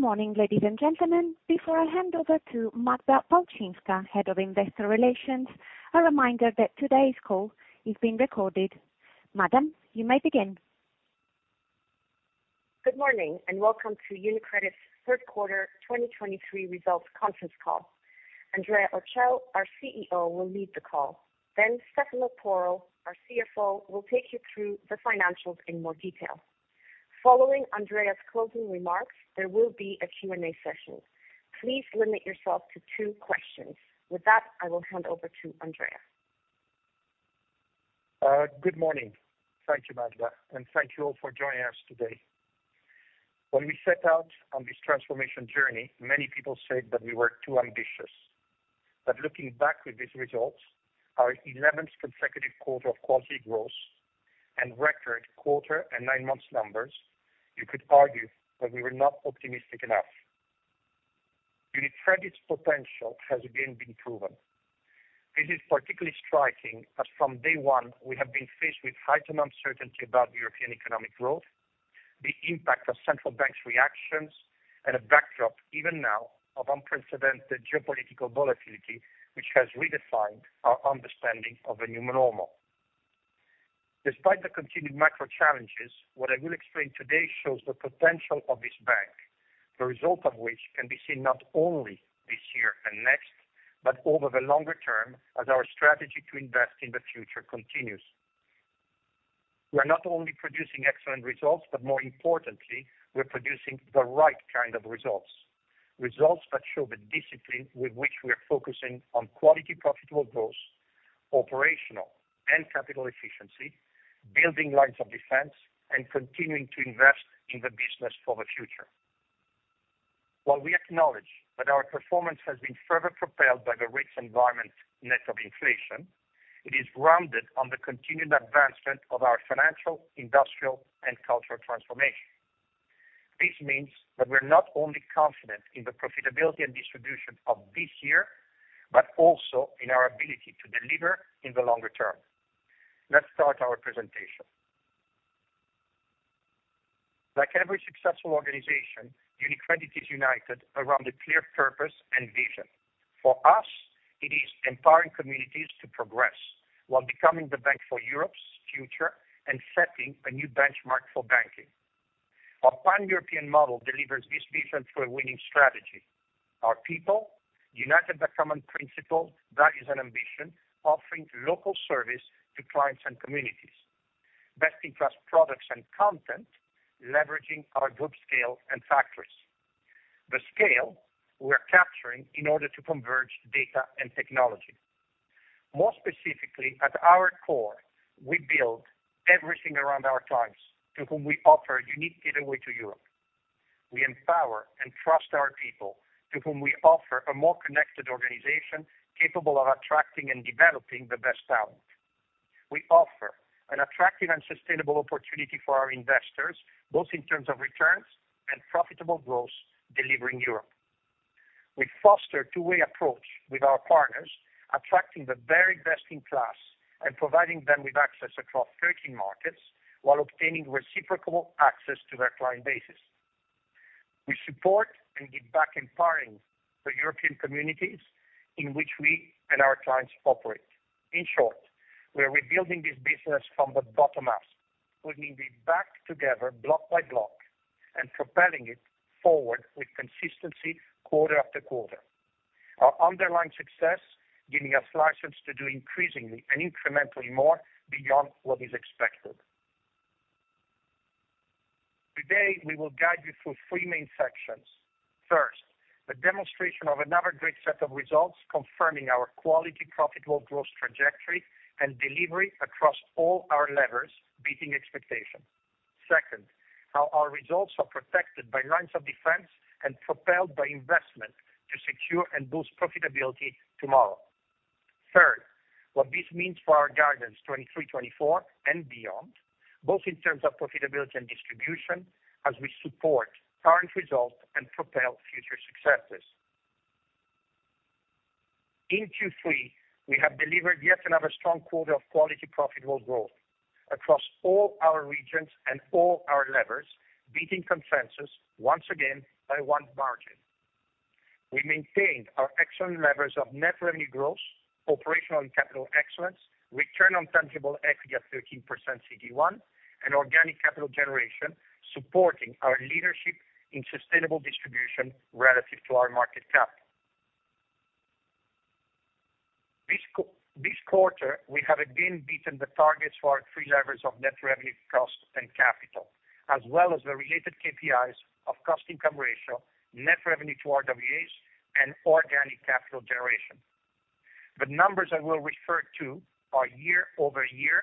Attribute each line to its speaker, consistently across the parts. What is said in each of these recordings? Speaker 1: Good morning, ladies and gentlemen. Before I hand over to Magda Palczynska, Head of Investor Relations, a reminder that today's call is being recorded. Madam, you may begin.
Speaker 2: Good morning, and welcome to UniCredit's Third Quarter 2023 results conference call. Andrea Orcel, our CEO, will lead the call. Then Stefano Porro, our CFO, will take you through the financials in more detail. Following Andrea's closing remarks, there will be a Q&A session. Please limit yourself to two questions. With that, I will hand over to Andrea.
Speaker 3: Good morning. Thank you, Magda, and thank you all for joining us today. When we set out on this transformation journey, many people said that we were too ambitious. But looking back with these results, our 11th consecutive quarter of quality growth and record quarter and nine months numbers, you could argue that we were not optimistic enough. UniCredit's potential has again been proven. This is particularly striking, as from day one we have been faced with heightened uncertainty about European economic growth, the impact of central banks' reactions, and a backdrop, even now, of unprecedented geopolitical volatility, which has redefined our understanding of a new normal. Despite the continued macro challenges, what I will explain today shows the potential of this bank, the result of which can be seen not only this year and next, but over the longer term as our strategy to invest in the future continues. We are not only producing excellent results, but more importantly, we're producing the right kind of results. Results that show the discipline with which we are focusing on quality, profitable growth, operational and capital efficiency, building lines of defense, and continuing to invest in the business for the future. While we acknowledge that our performance has been further propelled by the rich environment net of inflation, it is rounded on the continued advancement of our financial, industrial, and cultural transformation. This means that we're not only confident in the profitability and distribution of this year, but also in our ability to deliver in the longer term. Let's start our presentation. Like every successful organization, UniCredit is united around a clear purpose and vision. For us, it is empowering communities to progress while becoming the bank for Europe's future and setting a new benchmark for banking. Our Pan-European model delivers this vision through a winning strategy. Our people, united by common principles, values and ambition, offering local service to clients and communities, best-in-class products and content, leveraging our group scale and factors. The scale we are capturing in order to converge data and technology. More specifically, at our core, we build everything around our clients, to whom we offer a unique gateway to Europe. We empower and trust our people, to whom we offer a more connected organization, capable of attracting and developing the best talent. We offer an attractive and sustainable opportunity for our investors, both in terms of returns and profitable growth delivering Europe. We foster two-way approach with our partners, attracting the very best in class and providing them with access across 13 markets, while obtaining reciprocal access to their client bases. We support and give back, empowering the European communities in which we and our clients operate. In short, we are rebuilding this business from the bottom up, putting it back together block by block and propelling it forward with consistency quarter after quarter. Our underlying success, giving us license to do increasingly and incrementally more beyond what is expected. Today, we will guide you through three main sections. First, a demonstration of another great set of results, confirming our quality, profitable growth trajectory and delivery across all our levers, beating expectations. Second, how our results are protected by lines of defense and propelled by investment to secure and boost profitability tomorrow. Third, what this means for our guidance 2023, 2024 and beyond, both in terms of profitability and distribution, as we support current results and propel future successes. In Q3, we have delivered yet another strong quarter of quality, profitable growth across all our regions and all our levers, beating consensus once again by a margin. We maintained our excellent levels of net revenue growth, operational and capital excellence, return on tangible equity at 13% CET1, and organic capital generation, supporting our leadership in sustainable distribution relative to our market cap. This quarter, we have again beaten the targets for our three levers of net revenue, cost and capital, as well as the related KPIs of cost income ratio, net revenue to RWAs, and organic capital generation. The numbers I will refer to are year-over-year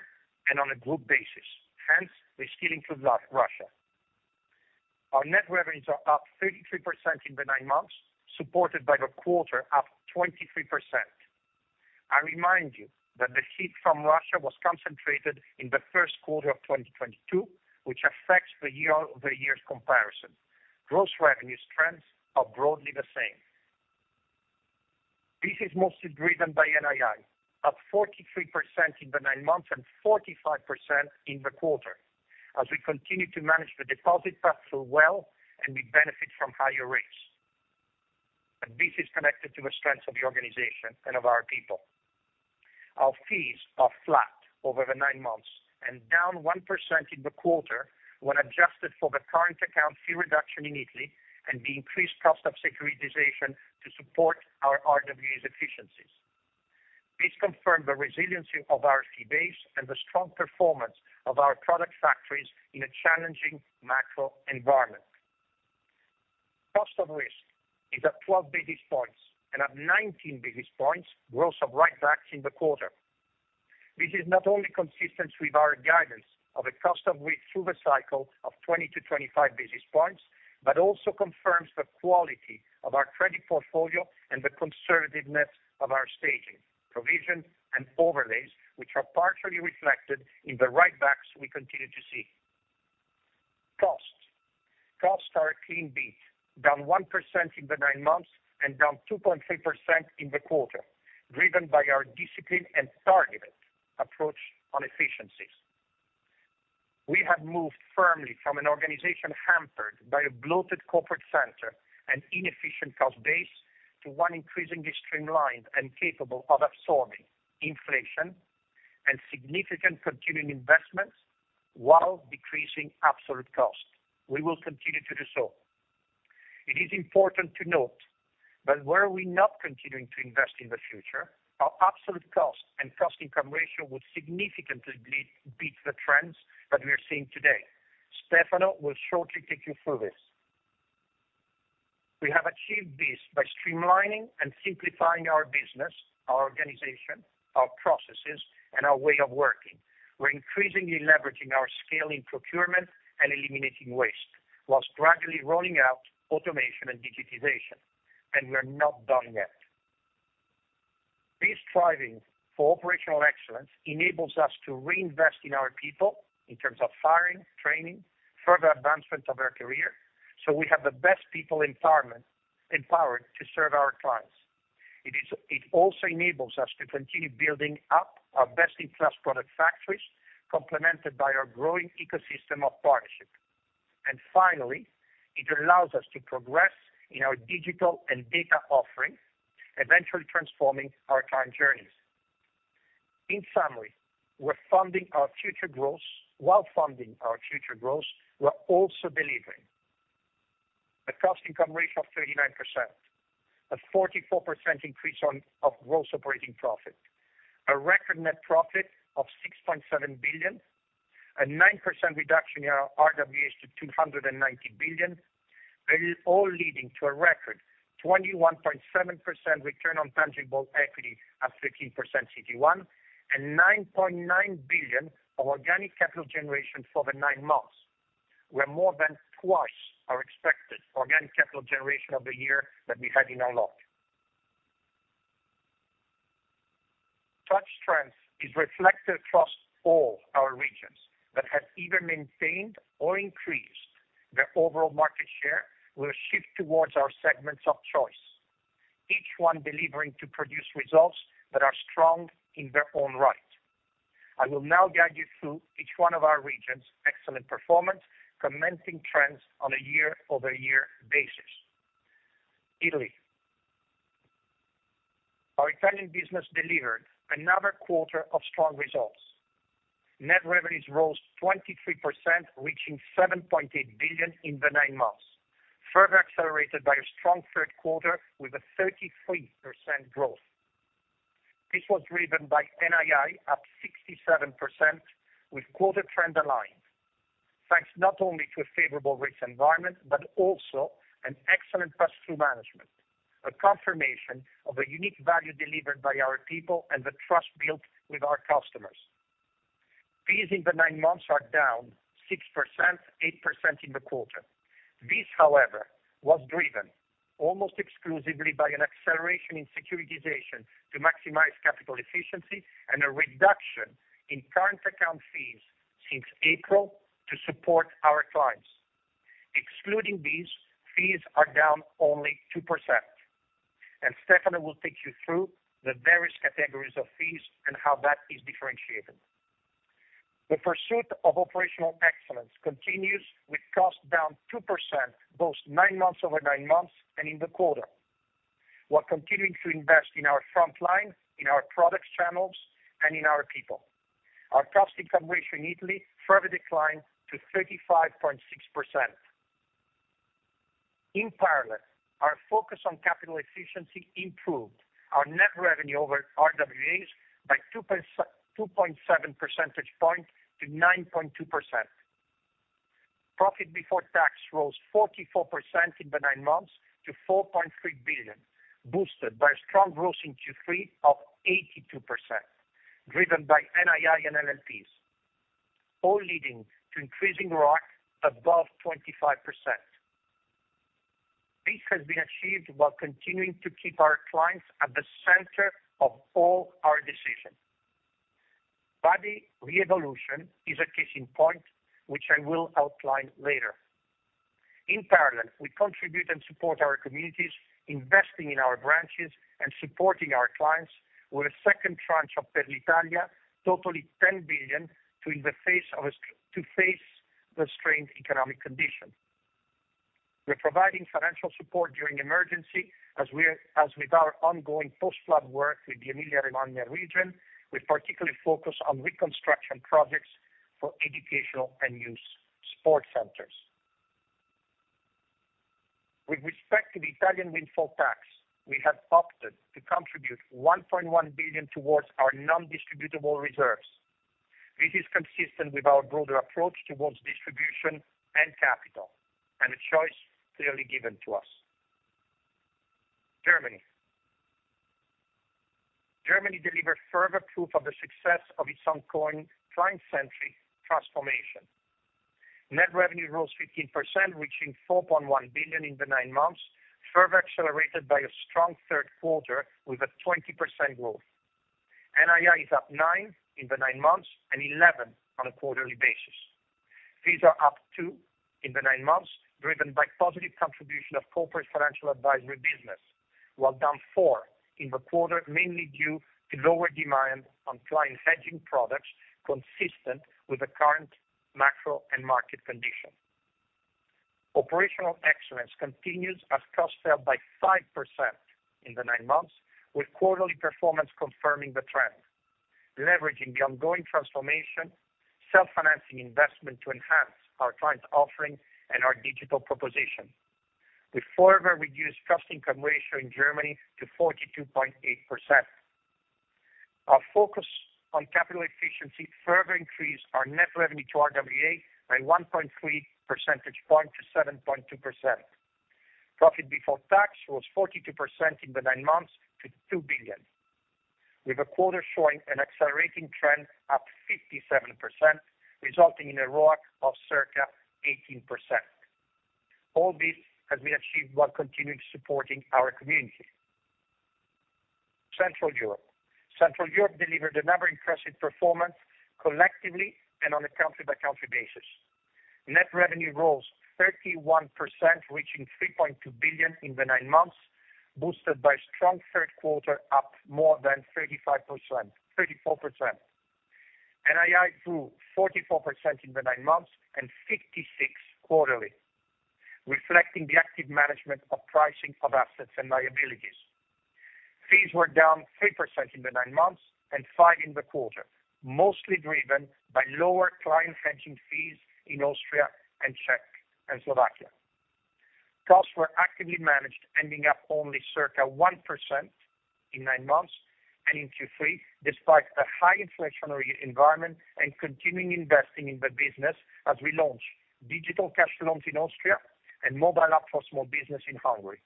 Speaker 3: and on a group basis, hence they still include Lo Russia. Our net revenues are up 33% in the nine months, supported by the quarter, up 23%. I remind you that the hit from Russia was concentrated in the first quarter of 2022, which affects the year-over-year comparison. Gross revenue trends are broadly the same. This is mostly driven by NII, up 43% in the nine months and 45% in the quarter, as we continue to manage the deposit platform well, and we benefit from higher rates. This is connected to the strength of the organization and of our people. Our fees are flat over the nine months, and down 1% in the quarter when adjusted for the current account fee reduction in Italy, and the increased cost of securitization to support our RWAs efficiencies. This confirmed the resiliency of our fee base and the strong performance of our product factories in a challenging macro environment. Cost of risk is at 12 basis points, and at 19 basis points, growth of write-backs in the quarter. This is not only consistent with our guidance of a cost of risk through the cycle of 20-25 basis points, but also confirms the quality of our credit portfolio and the conservativeness of our staging, provision, and overlays, which are partially reflected in the write-backs we continue to see. Costs. Costs are a clean beat, down 1% in the nine months, and down 2.3% in the quarter, driven by our discipline and targeted approach on efficiencies. We have moved firmly from an organization hampered by a bloated corporate center and inefficient cost base, to one increasingly streamlined and capable of absorbing inflation and significant continuing investments while decreasing absolute cost. We will continue to do so. It is important to note that were we not continuing to invest in the future, our absolute cost and cost income ratio would significantly beat the trends that we are seeing today. Stefano will shortly take you through this. We have achieved this by streamlining and simplifying our business, our organization, our processes, and our way of working. We're increasingly leveraging our scale in procurement and eliminating waste, while gradually rolling out automation and digitization, and we are not done yet. This striving for operational excellence enables us to reinvest in our people in terms of hiring, training, further advancement of their career, so we have the best people environment, empowered to serve our clients. It also enables us to continue building up our best-in-class product factories, complemented by our growing ecosystem of partnership. Finally, it allows us to progress in our digital and data offering, eventually transforming our client journeys. In summary, we're funding our future growth, while funding our future growth, we're also delivering: a cost income ratio of 39%, a 44% increase on, of gross operating profit, a record net profit of 6.7 billion, a 9% reduction in our RWA to 290 billion, all leading to a record 21.7% return on tangible equity at 13% CET1, and 9.9 billion of organic capital generation for the nine months, where more than twice are expected for organic capital generation of the year that we had in our launch. Such strength is reflected across all our regions, that have either maintained or increased their overall market share, will shift towards our segments of choice, each one delivering to produce results that are strong in their own right. I will now guide you through each one of our regions' excellent performance, commenting trends on a year-over-year basis. Italy. Our Italian business delivered another quarter of strong results. Net revenues rose 23%, reaching 7.8 billion in the nine months, further accelerated by a strong third quarter with a 33% growth. This was driven by NII, up 67%, with quarter trend aligned, thanks not only to a favorable rate environment, but also an excellent pass-through management, a confirmation of a unique value delivered by our people and the trust built with our customers. Fees in the nine months are down 6%, 8% in the quarter. This, however, was driven almost exclusively by an acceleration in securitization to maximize capital efficiency and a reduction in current account fees since April to support our clients. Excluding these, fees are down only 2%, and Stefano will take you through the various categories of fees and how that is differentiated. The pursuit of operational excellence continues, with costs down 2%, both nine months over nine months and in the quarter, while continuing to invest in our front line, in our products channels, and in our people. Our cost-income ratio in Italy further declined to 35.6%. In parallel, our focus on capital efficiency improved our net revenue over RWAs by 2.7 percentage points to 9.2%. Profit before tax rose 44% in the nine months to 4.3 billion, boosted by a strong growth in Q3 of 82%, driven by NII and NPLs, all leading to increasing ROIC above 25%. This has been achieved while continuing to keep our clients at the center of all our decisions. Buddy R-evolution is a case in point, which I will outline later. In parallel, we contribute and support our communities, investing in our branches and supporting our clients with a second tranche of Per l'Italia, totaling 10 billion, to face the strained economic condition. We're providing financial support during emergencies, as with our ongoing post-flood work with the Emilia-Romagna region, we particularly focus on reconstruction projects for educational and youth sport centers. With respect to the Italian windfall tax, we have opted to contribute 1.1 billion towards our non-distributable reserves. This is consistent with our broader approach towards distribution and capital, and a choice clearly given to us. Germany. Germany delivered further proof of the success of its ongoing client-centric transformation. Net revenue rose 15%, reaching 4.1 billion in the nine months, further accelerated by a strong third quarter with a 20% growth. NII is up 9% in the nine months and 11% on a quarterly basis. Fees are up 2% in the nine months, driven by positive contribution of corporate financial advisory business, while down 4% in the quarter, mainly due to lower demand on client hedging products, consistent with the current macro and market condition. Operational excellence continues as costs fell by 5% in the nine months, with quarterly performance confirming the trend, leveraging the ongoing transformation, self-financing investment to enhance our client offering and our digital proposition. We further reduced cost-income ratio in Germany to 42.8%. Our focus on capital efficiency further increased our net revenue to RWA by 1.3 percentage points to 7.2%. Profit before tax was 42% in the nine months to 2 billion, with a quarter showing an accelerating trend up 57%, resulting in a ROIC of circa 18%. All this has been achieved while continuing supporting our community. Central Europe. Central Europe delivered another impressive performance collectively and on a country-by-country basis. Net revenue rose 31%, reaching 3.2 billion in the nine months, boosted by strong third quarter, up more than 35%, 34%. NII grew 44% in the nine months and 56% quarterly, reflecting the active management of pricing of assets and liabilities. Fees were down 3% in the nine months and 5% in the quarter, mostly driven by lower client hedging fees in Austria and Czech and Slovakia. Costs were actively managed, ending up only circa 1% in nine months and in Q3, despite a high inflationary environment and continuing investing in the business as we launch digital cash loans in Austria and mobile app for small business in Hungary.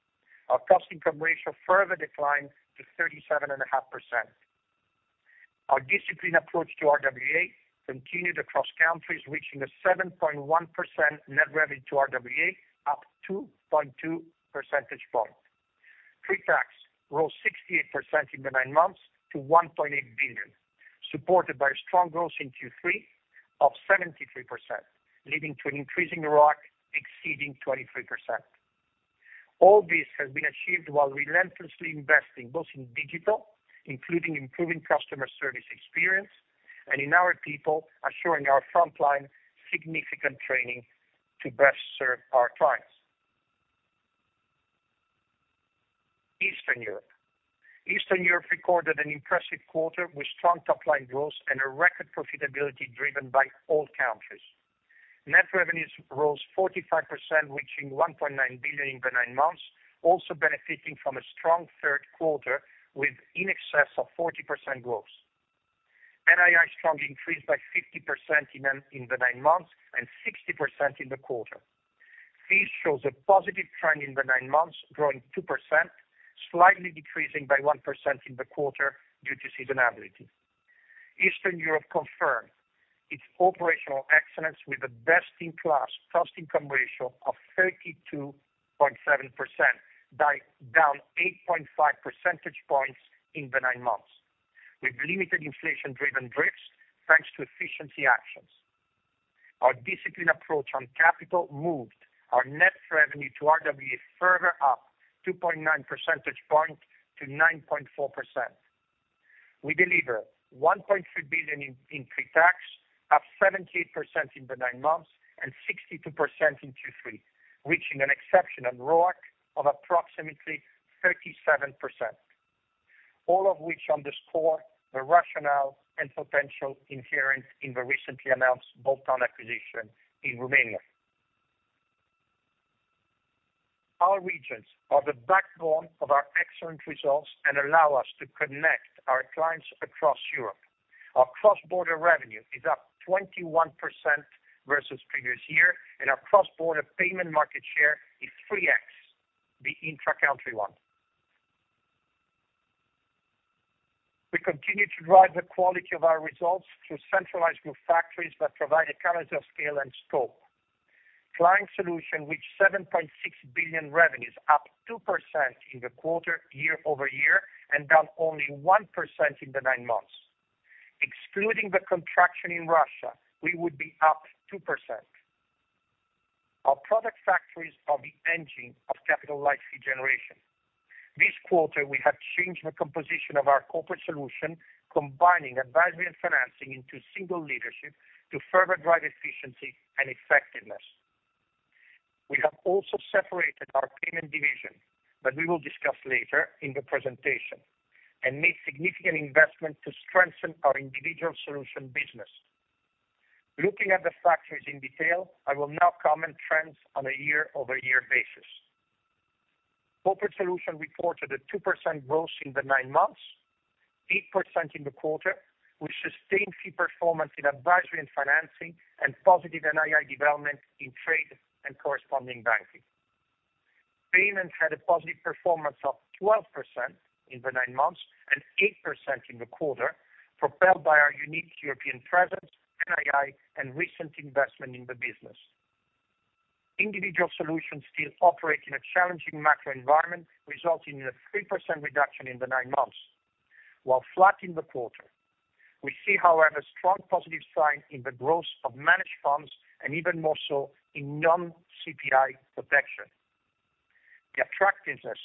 Speaker 3: Our cost-income ratio further declined to 37.5%. Our disciplined approach to RWA continued across countries, reaching a 7.1% net revenue to RWA, up 2.2 percentage point. Pre-tax rose 68% in the nine months to 1.8 billion, supported by strong growth in Q3 of 73%, leading to an increasing ROIC exceeding 23%. All this has been achieved while relentlessly investing, both in digital, including improving customer service experience and in our people, assuring our frontline significant training to best serve our clients. Eastern Europe. Eastern Europe recorded an impressive quarter with strong top-line growth and a record profitability driven by all countries. Net revenues rose 45%, reaching 1.9 billion in the nine months, also benefiting from a strong third quarter with in excess of 40% growth. NII strongly increased by 50% in the nine months and 60% in the quarter. Fees shows a positive trend in the nine months, growing 2%, slightly decreasing by 1% in the quarter due to seasonality. Eastern Europe confirmed its operational excellence with a best-in-class cost-income ratio of 32.7%, down 8.5 percentage points in the nine months, with limited inflation-driven drifts, thanks to efficiency actions. Our disciplined approach on capital moved our net revenue to RWA further up 2.9 percentage points to 9.4%. We deliver 1.3 billion in pre-tax, up 78% in the nine months and 62% in Q3, reaching an exceptional ROIC of approximately 37%, all of which underscore the rationale and potential inherent in the recently announced bolt-on acquisition in Romania. Our regions are the backbone of our excellent results and allow us to connect our clients across Europe. Our cross-border revenue is up 21% versus previous year, and our cross-border payment market share is 3x the intra-country one. We continue to drive the quality of our results through centralized group factories that provide economies of scale and scope.... Client Solutions reached 7.6 billion revenues, up 2% in the quarter, year-over-year, and down only 1% in the nine months. Excluding the contraction in Russia, we would be up 2%. Our product factories are the engine of capital light fee generation. This quarter, we have changed the composition of our Corporate Solutions, combining advisory and financing into single leadership to further drive efficiency and effectiveness. We have also separated our payment division, that we will discuss later in the presentation, and made significant investment to strengthen our Individual Solution business. Looking at the factories in detail, I will now comment trends on a year-over-year basis. Corporate Solutions reported a 2% growth in the nine months, 8% in the quarter, with sustained fee performance in advisory and financing, and positive NII development in trade and corresponding banking. Payments had a positive performance of 12% in the nine months and 8% in the quarter, propelled by our unique European presence, NII, and recent investment in the business. Individual Solutions still operate in a challenging macro environment, resulting in a 3% reduction in the nine months, while flat in the quarter. We see, however, strong positive signs in the growth of managed funds, and even more so in non-CPI protection. The attractiveness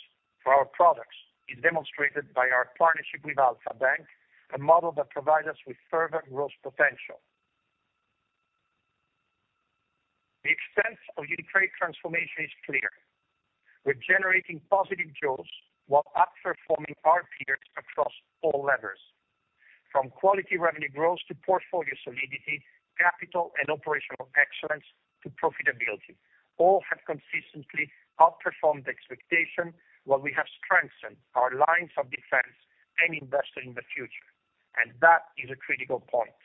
Speaker 3: for our products is demonstrated by our partnership with Alpha Bank, a model that provides us with further growth potential. The extent of UniCredit transformation is clear. We're generating positive growth while outperforming our peers across all levers, from quality revenue growth to portfolio solidity, capital and operational excellence to profitability. All have consistently outperformed expectation, while we have strengthened our lines of defense and invested in the future, and that is a critical point.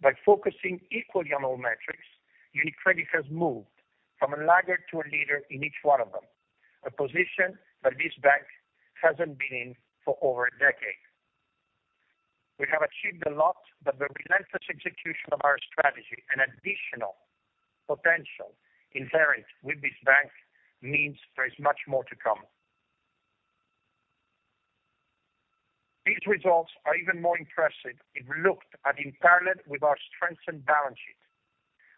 Speaker 3: By focusing equally on all metrics, UniCredit has moved from a lagger to a leader in each one of them, a position that this bank hasn't been in for over a decade. We have achieved a lot, but the relentless execution of our strategy and additional potential inherent with this bank means there is much more to come. These results are even more impressive if looked at in parallel with our strengthened balance sheet.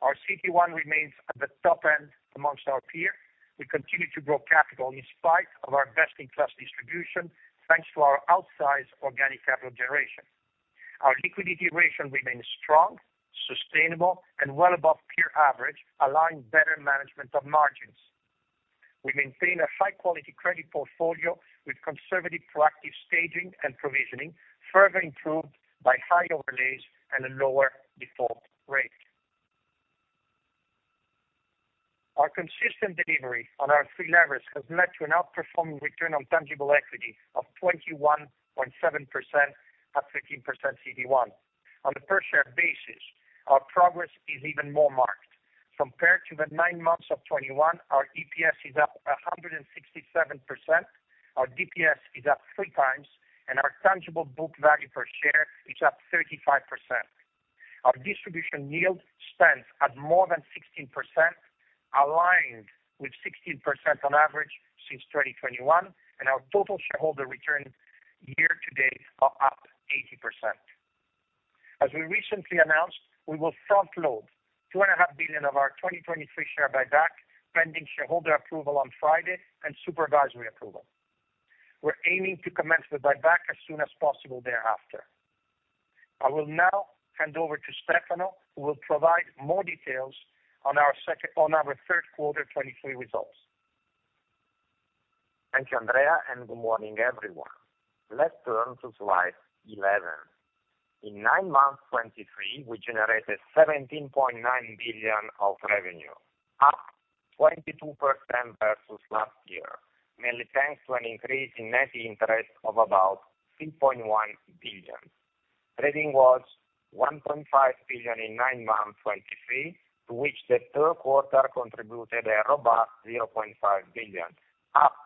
Speaker 3: Our CET1 remains at the top end amongst our peers. We continue to grow capital in spite of our best-in-class distribution, thanks to our outsized organic capital generation. Our liquidity ratio remains strong, sustainable, and well above peer average, allowing better management of margins. We maintain a high-quality credit portfolio with conservative, proactive staging and provisioning, further improved by high overlays and a lower default rate. Our consistent delivery on our three levers has led to an outperforming return on tangible equity of 21.7% at 13% CET1. On a per share basis, our progress is even more marked. Compared to the nine months of 2021, our EPS is up 167%, our DPS is up 3x, and our tangible book value per share is up 35%. Our distribution yield stands at more than 16%, aligned with 16% on average since 2021, and our total shareholder return year to date are up 80%. As we recently announced, we will front-load 2.5 billion of our 2023 share buyback, pending shareholder approval on Friday and supervisory approval. We're aiming to commence the buyback as soon as possible thereafter. I will now hand over to Stefano, who will provide more details on our third quarter 2023 results.
Speaker 4: Thank you, Andrea, and good morning, everyone. Let's turn to slide 11. In nine months 2023, we generated 17.9 billion of revenue, up 22% versus last year, mainly thanks to an increase in net interest of about 3.1 billion. Trading was 1.5 billion in nine months 2023, to which the third quarter contributed a robust 0.5 billion, up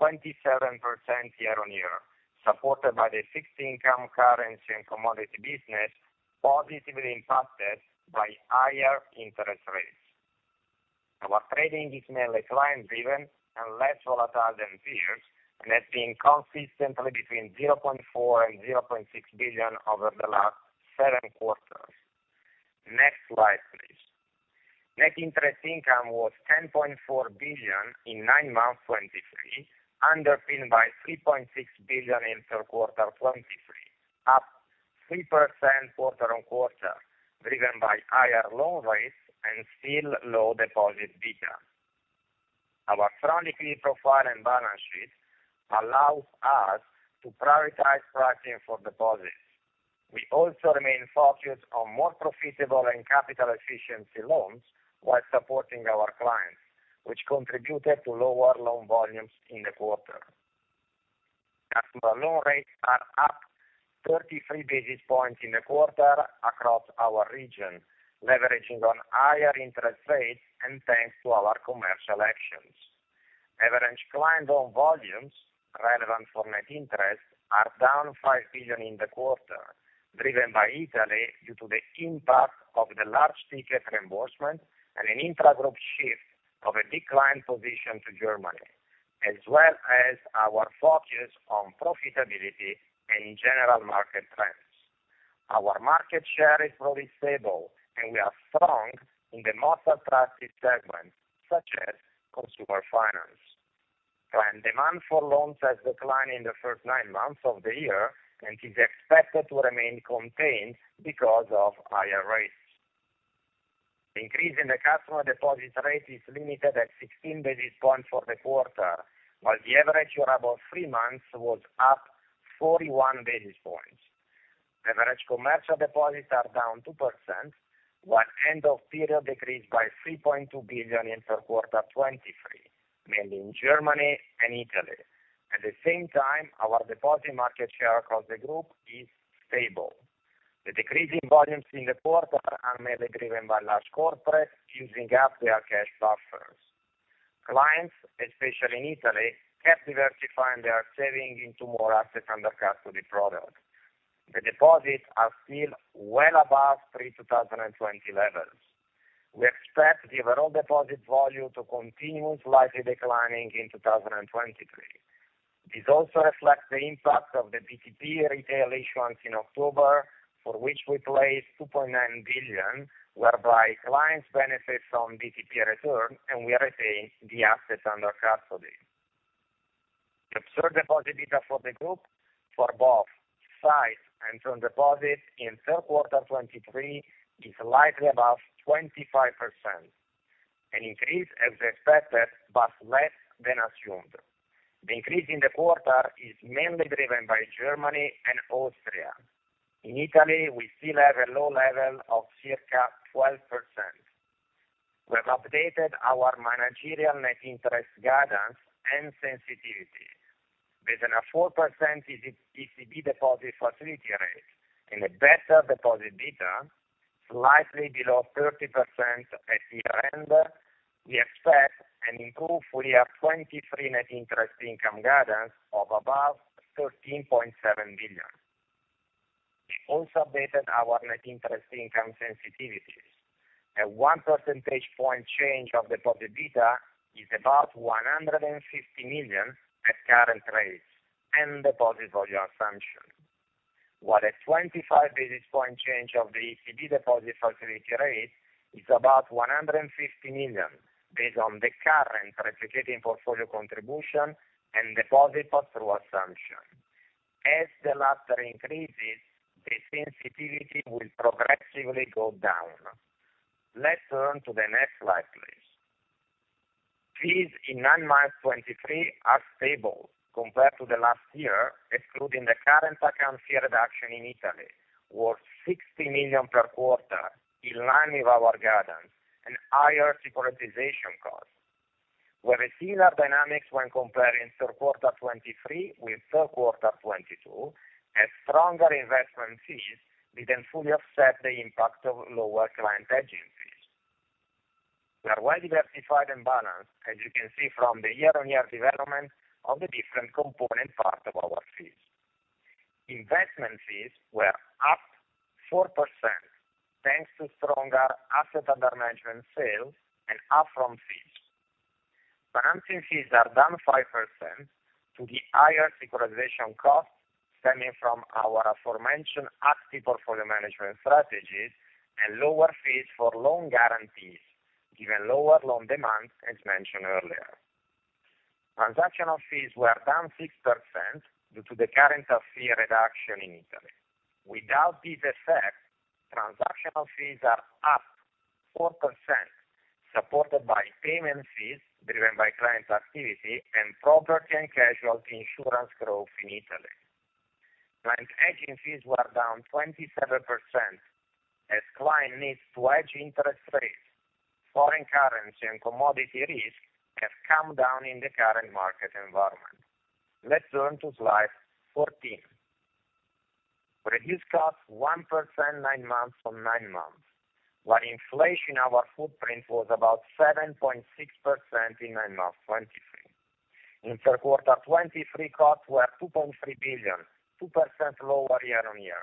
Speaker 4: 27% year-on-year, supported by the fixed income currency and commodity business, positively impacted by higher interest rates. Our trading is mainly client-driven and less volatile than peers, and has been consistently between 0.4 and 0.6 billion over the last 7 quarters. Next slide, please. Net interest income was 10.4 billion in nine months, 2023, underpinned by 3.6 billion in third quarter 2023, up 3% quarter-on-quarter, driven by higher loan rates and still low deposit beta. Our credit profile and balance sheet allows us to prioritize pricing for deposits. We also remain focused on more profitable and capital-efficient loans while supporting our clients, which contributed to lower loan volumes in the quarter. Customer loan rates are up 33 basis points in the quarter across our region, leveraging on higher interest rates and thanks to our commercial actions. Average client loan volumes relevant for net interest are down 5 billion in the quarter, driven by Italy due to the impact of the large-ticket reimbursement and an intragroup shift of a loan position to Germany, as well as our focus on profitability and general market trends. Our market share is really stable, and we are strong in the most attractive segments, such as consumer finance. Client demand for loans has declined in the first nine months of the year and is expected to remain contained because of higher rates. Increase in the customer deposit rate is limited at 16 basis points for the quarter, while the average year about three months was up 41 basis points. Average commercial deposits are down 2%, while end of period decreased by 3.2 billion in third quarter 2023, mainly in Germany and Italy. At the same time, our deposit market share across the group is stable. The decreasing volumes in the quarter are mainly driven by large corporate using up their cash buffers. Clients, especially in Italy, have diversifying their saving into more asset under custody product. The deposits are still well above pre-2020 levels. We expect the overall deposit volume to continue slightly declining in 2023. This also reflects the impact of the BTP retail issuance in October, for which we placed 2.9 billion, whereby clients benefit from BTP return, and we retain the assets under custody. The absolute deposit data for the group for both size and from deposits in third quarter 2023 is slightly above 25%, an increase as expected, but less than assumed. The increase in the quarter is mainly driven by Germany and Austria. In Italy, we still have a low level of circa 12%. We have updated our managerial net interest guidance and sensitivity. Based on a 4% ECB deposit facility rate and a better deposit data, slightly below 30% at year-end, we expect an improved full year 2023 net interest income guidance of above 13.7 billion. We also updated our net interest income sensitivities. A one percentage point change of deposit beta is about 150 million at current rates and deposit volume assumption, while a 25 basis point change of the ECB deposit facility rate is about 150 million, based on the current replicating portfolio contribution and deposit pass-through assumption. As the latter increases, the sensitivity will progressively go down. Let's turn to the next slide, please. Fees in nine months 2023 are stable compared to the last year, excluding the current account fee reduction in Italy, worth 60 million per quarter, in line with our guidance and higher securitization costs. We have similar dynamics when comparing third quarter 2023 with third quarter 2022, as stronger investment fees didn't fully offset the impact of lower client hedging fees. We are well diversified and balanced, as you can see from the year-on-year development of the different component part of our fees. Investment fees were up 4%, thanks to stronger AUM sales and up-front fees. Financing fees are down 5% due to the higher securitization costs stemming from our aforementioned active portfolio management strategies and lower fees for loan guarantees, given lower loan demand, as mentioned earlier. Transactional fees were down 6% due to the current wave of fee reduction in Italy. Without this effect, transactional fees are up 4%, supported by payment fees driven by client activity and property and casualty insurance growth in Italy. Client hedging fees were down 27%, as client needs to hedge interest rates. Foreign currency and commodity risk have come down in the current market environment. Let's turn to slide 14. Reduce cost 1% nine months on nine months, while inflation in our footprint was about 7.6% in nine months, 2023. In third quarter 2023, costs were 2.3 billion, 2% lower year-on-year.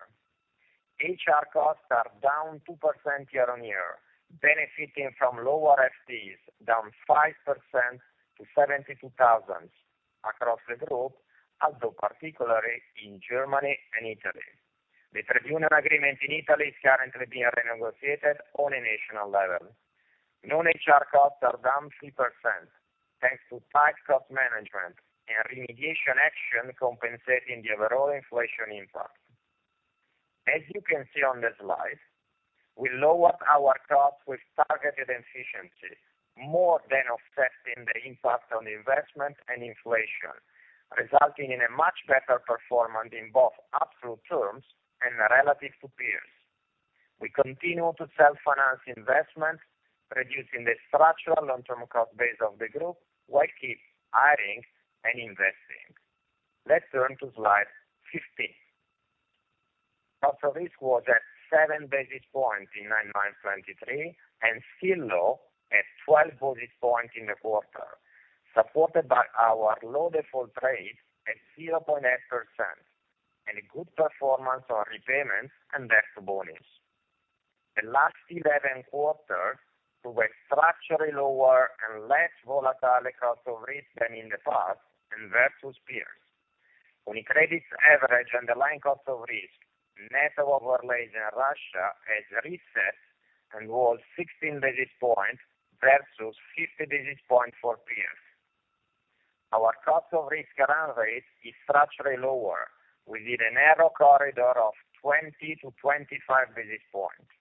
Speaker 4: HR costs are down 2% year-on-year, benefiting from lower FTEs, down 5% to 72,000 across the group, although particularly in Germany and Italy. The trade union agreement in Italy is currently being renegotiated on a national level. Non-HR costs are down 3%, thanks to tight cost management and remediation action compensating the overall inflation impact. As you can see on the slide, we lowered our costs with targeted efficiency, more than offsetting the impact on investment and inflation, resulting in a much better performance in both absolute terms and relative to peers. We continue to self-finance investments, reducing the structural long-term cost base of the group, while keep hiring and investing. Let's turn to slide 15. Cost of risk was at 7 basis points in 9/9/2023, and still low at 12 basis points in the quarter, supported by our low default rate at 0.8%, and a good performance on repayments and debt to bonus. The last 11 quarters, through a structurally lower and less volatile cost of risk than in the past and versus peers. On a credit average, underlying cost of risk, net overlays in Russia has reset and was 16 basis points versus 50 basis points for peers. Our cost of risk run rate is structurally lower, within a narrow corridor of 20-25 basis points.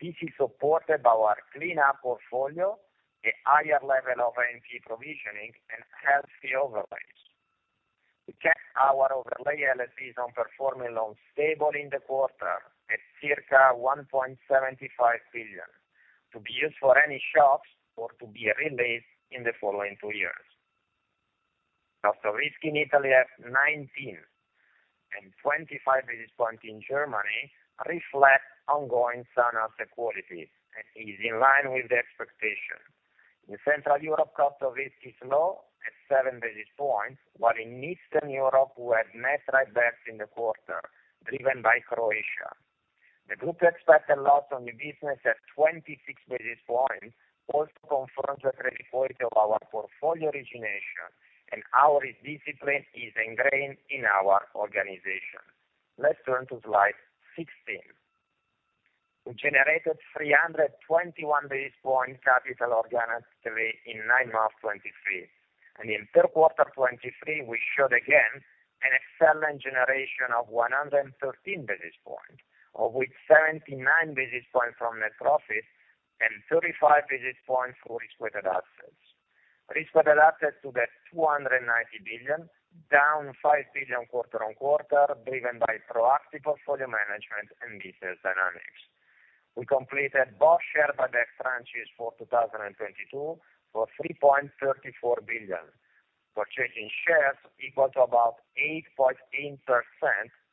Speaker 4: This is supported by our clean up portfolio, a higher level of NPL provisioning, and healthy overlays. We kept our overlay LLPs on performing loans stable in the quarter at circa 1.75 billion, to be used for any shocks or to be released in the following two years. Cost of risk in Italy at 19 and 25 basis points in Germany reflects ongoing sound asset quality and is in line with the expectation. In Central Europe, cost of risk is low at 7 basis points, while in Eastern Europe, we had net write-backs in the quarter, driven by Croatia. The group expect a loss on the business at 26 basis points, also confirms the credit quality of our portfolio origination, and our risk discipline is ingrained in our organization. Let's turn to Slide 16. We generated 321 basis points capital organically in nine months 2023, and in 3Q 2023, we showed again an excellent generation of 111 basis points, of which 79 basis points from net profit and 35 basis points through risk-weighted assets. Risk-weighted assets to 290 billion, down 5 billion quarter-on-quarter, driven by proactive portfolio management and business dynamics. We completed both share buyback franchises for 2022 for 3.34 billion, purchasing shares equal to about 8.8%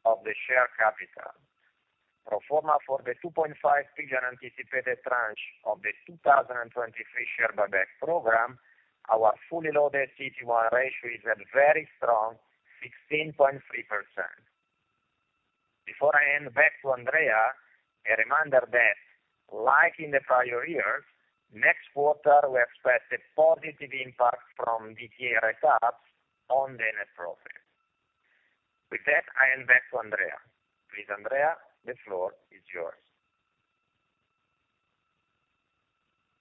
Speaker 4: of the share capital. Pro forma for the 2.5 billion anticipated tranche of the 2023 share buyback program, our fully loaded CET1 ratio is at very strong 16.3%. Before I hand back to Andrea, a reminder that, like in the prior years, next quarter, we expect a positive impact from DTA rebounds on the net profit. With that, I hand back to Andrea. Please, Andrea, the floor is yours.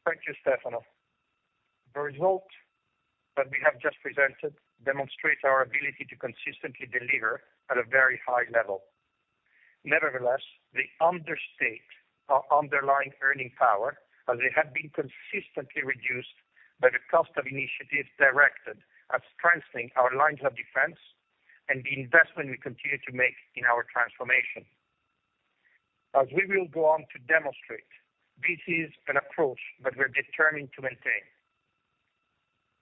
Speaker 3: Thank you, Stefano. The result that we have just presented demonstrates our ability to consistently deliver at a very high level. Nevertheless, they understate our underlying earning power, as they have been consistently reduced by the cost of initiatives directed at strengthening our lines of defense and the investment we continue to make in our transformation. As we will go on to demonstrate, this is an approach that we're determined to maintain.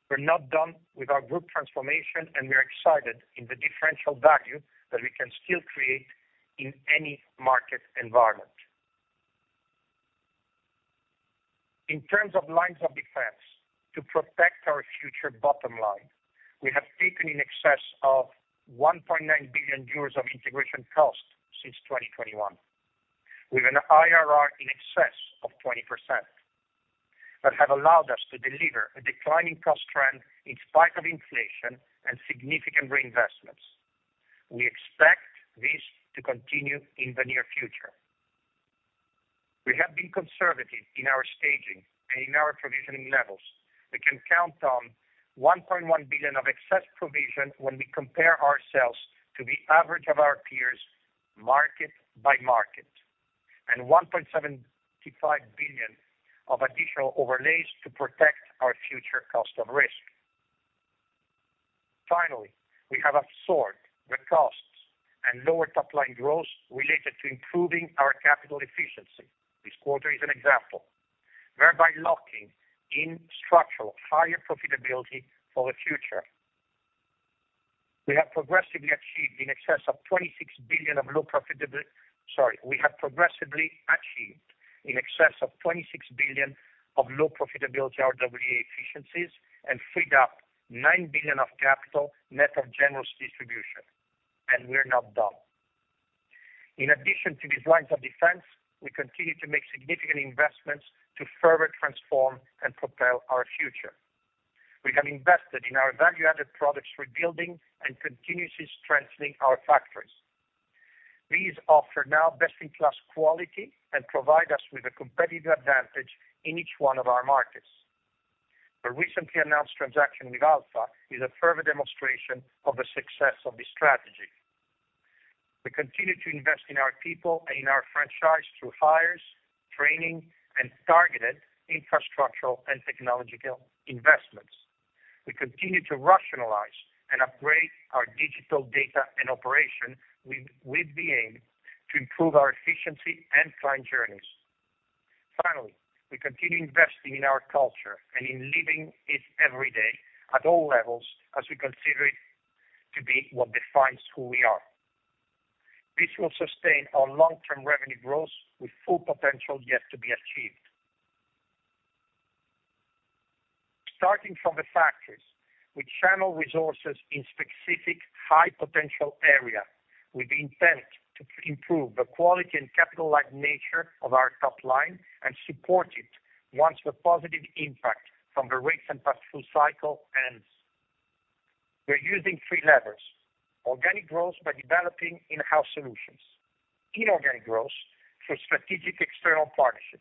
Speaker 3: We're not done with our group transformation, and we are excited in the differential value that we can still create in any market environment. In terms of lines of defense, to protect our future bottom line, we have taken in excess of 1.9 billion euros of integration costs since 2021, with an IRR in excess of 20%, that have allowed us to deliver a declining cost trend in spite of inflation and significant reinvestments. We expect this to continue in the near future. We have been conservative in our staging and in our provisioning levels. We can count on 1.1 billion of excess provision when we compare ourselves to the average of our peers, market by market, and 1.75 billion of additional overlays to protect our future cost of risk. Finally, we have absorbed the costs and lower top-line growth related to improving our capital efficiency, this quarter is an example, whereby locking in structural higher profitability for the future. We have progressively achieved in excess of 26 billion of low profitability... Sorry, we have progressively achieved in excess of 26 billion of low profitability RWA efficiencies and freed up 9 billion of capital, net of general distribution, and we're not done. In addition to these lines of defense, we continue to make significant investments to further transform and propel our future. We have invested in our value-added products, rebuilding and continuously strengthening our factories. These offer now best-in-class quality and provide us with a competitive advantage in each one of our markets. The recently announced transaction with Alpha is a further demonstration of the success of this strategy. We continue to invest in our people and in our franchise through hires, training, and targeted infrastructural and technological investments. We continue to rationalize and upgrade our digital data and operation with the aim to improve our efficiency and client journeys. We continue investing in our culture and in living it every day at all levels, as we consider it to be what defines who we are. This will sustain our long-term revenue growth, with full potential yet to be achieved. Starting from the factories, we channel resources in specific high potential area, with the intent to improve the quality and capital like nature of our top line and support it once the positive impact from the rates and pass-through cycle ends. We're using three levers, organic growth by developing in-house solutions, inorganic growth through strategic external partnership,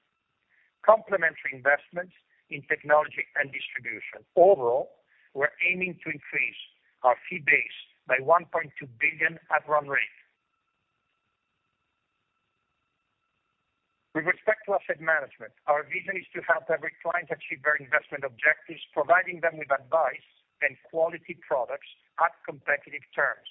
Speaker 3: complementary investments in technology and distribution. Overall, we're aiming to increase our fee base by 1.2 billion at run rate. With respect to asset management, our vision is to help every client achieve their investment objectives, providing them with advice and quality products at competitive terms.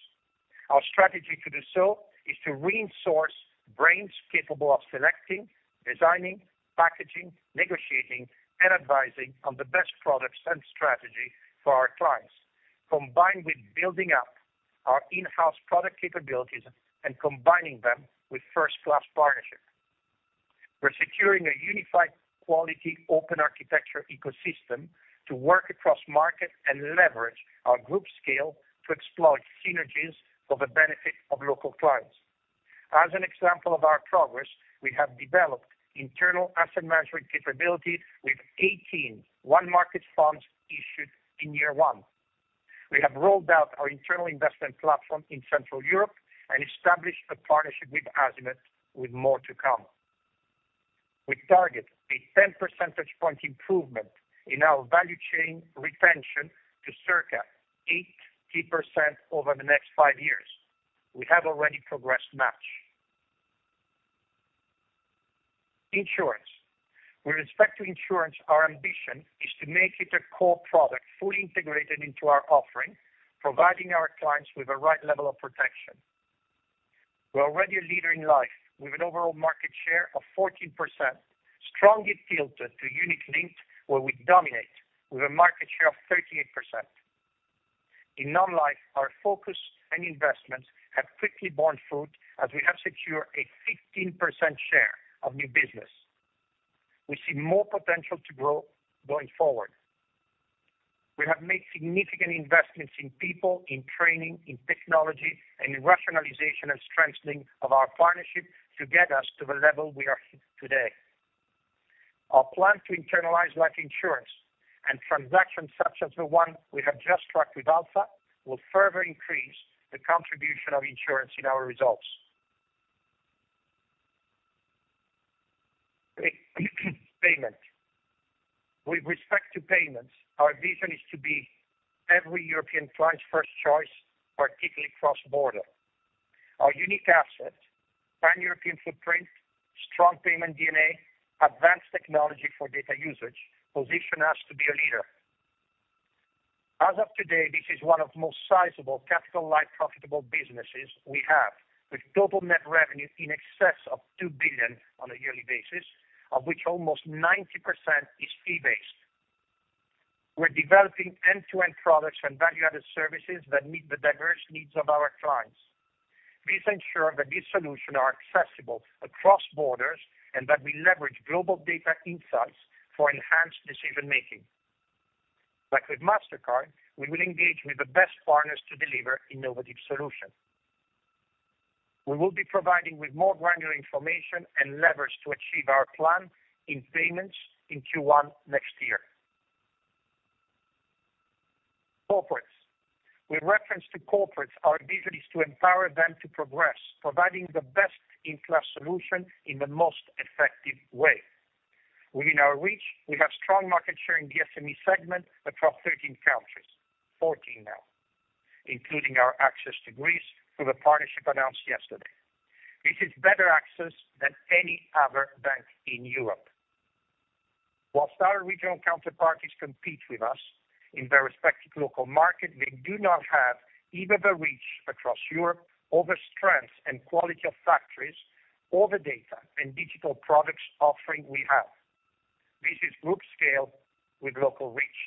Speaker 3: Our strategy to do so is to reinforce brains capable of selecting, designing, packaging, negotiating, and advising on the best products and strategy for our clients, combined with building up our in-house product capabilities and combining them with first-class partnership. We're securing a unified quality, open architecture ecosystem to work across market and leverage our group scale to explore synergies for the benefit of local clients. As an example of our progress, we have developed internal asset management capabilities with 18 onemarkets funds issued in year one. We have rolled out our internal investment platform in Central Europe and established a partnership with Azimut, with more to come. We target a 10 percentage point improvement in our value chain retention to circa 80% over the next five years. We have already progressed much. Insurance. With respect to insurance, our ambition is to make it a core product, fully integrated into our offering, providing our clients with the right level of protection. We're already a leader in life, with an overall market share of 14%, strongly filtered to unit-linked, where we dominate with a market share of 38%. In non-life, our focus and investments have quickly borne fruit, as we have secured a 15% share of new business. We see more potential to grow going forward. We have made significant investments in people, in training, in technology, and in rationalization and strengthening of our partnership to get us to the level we are today. Our plan to internalize life insurance and transactions such as the one we have just struck with Alpha, will further increase the contribution of insurance in our results. Payments. With respect to payments, our vision is to be every European client's first choice, particularly cross-border. Our unique asset, Pan-European footprint, strong payment DNA, advanced technology for data usage, position us to be a leader. As of today, this is one of the most sizable capital, light, profitable businesses we have, with total net revenue in excess of 2 billion on a yearly basis, of which almost 90% is fee-based. We're developing end-to-end products and value-added services that meet the diverse needs of our clients. Please ensure that these solutions are accessible across borders, and that we leverage global data insights for enhanced decision making. Like with Mastercard, we will engage with the best partners to deliver innovative solutions. We will be providing with more granular information and leverage to achieve our plan in payments in Q1 next year. Corporates. With reference to corporates, our vision is to empower them to progress, providing the best in class solution in the most effective way. Within our reach, we have strong market share in the SME segment across 13 countries, 14 now, including our access to Greece through the partnership announced yesterday. This is better access than any other bank in Europe. While our regional counterparties compete with us in their respective local market, they do not have either the reach across Europe or the strength and quality of factories or the data and digital products offering we have. This is group scale with local reach.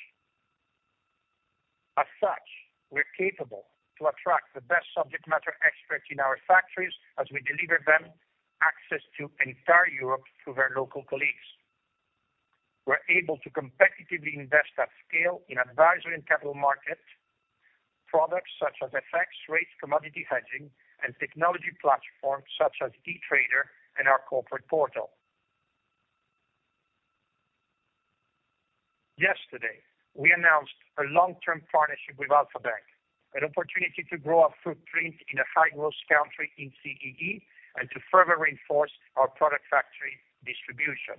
Speaker 3: As such, we're capable to attract the best subject matter experts in our factories as we deliver them access to entire Europe through their local colleagues. We're able to competitively invest at scale in advisory and capital markets, products such as FX rates, commodity hedging, and technology platforms such as UC Trader and our Corporate Portal. Yesterday, we announced a long-term partnership with Alpha Bank, an opportunity to grow our footprint in a high-growth country in CEE, and to further reinforce our product factory distribution.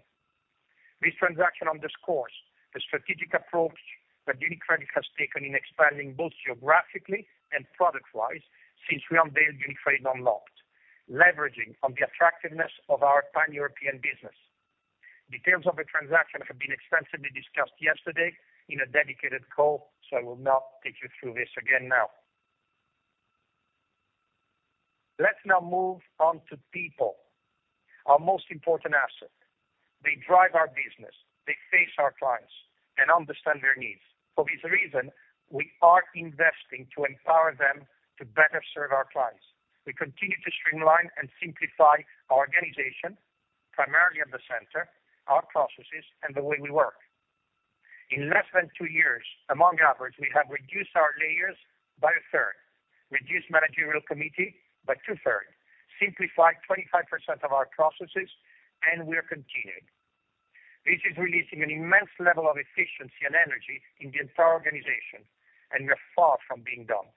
Speaker 3: This transaction underscores the strategic approach that UniCredit has taken in expanding both geographically and product wise, since we unveiled UniCredit Unlocked, leveraging on the attractiveness of our Pan-European business. Details of the transaction have been extensively discussed yesterday in a dedicated call, so I will not take you through this again now.... Let's now move on to people, our most important asset. They drive our business, they face our clients, and understand their needs. For this reason, we are investing to empower them to better serve our clients. We continue to streamline and simplify our organization, primarily at the center, our processes, and the way we work. In less than two years, among others, we have reduced our layers by 1/3, reduced managerial committee by 2/3, simplified 25% of our processes, and we are continuing. This is releasing an immense level of efficiency and energy in the entire organization, and we are far from being done.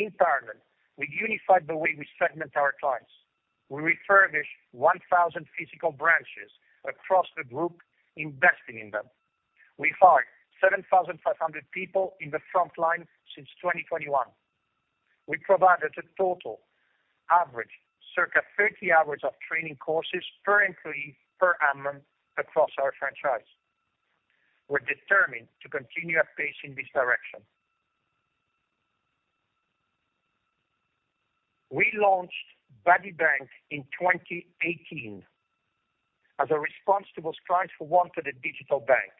Speaker 3: In parallel, we unified the way we segment our clients. We refurbished 1,000 physical branches across the group, investing in them. We hired 7,500 people in the frontline since 2021. We provided a total average, circa 30 hours of training courses per employee per annum across our franchise. We're determined to continue our pace in this direction. We launched Buddy Bank in 2018 as a response to those clients who wanted a digital bank.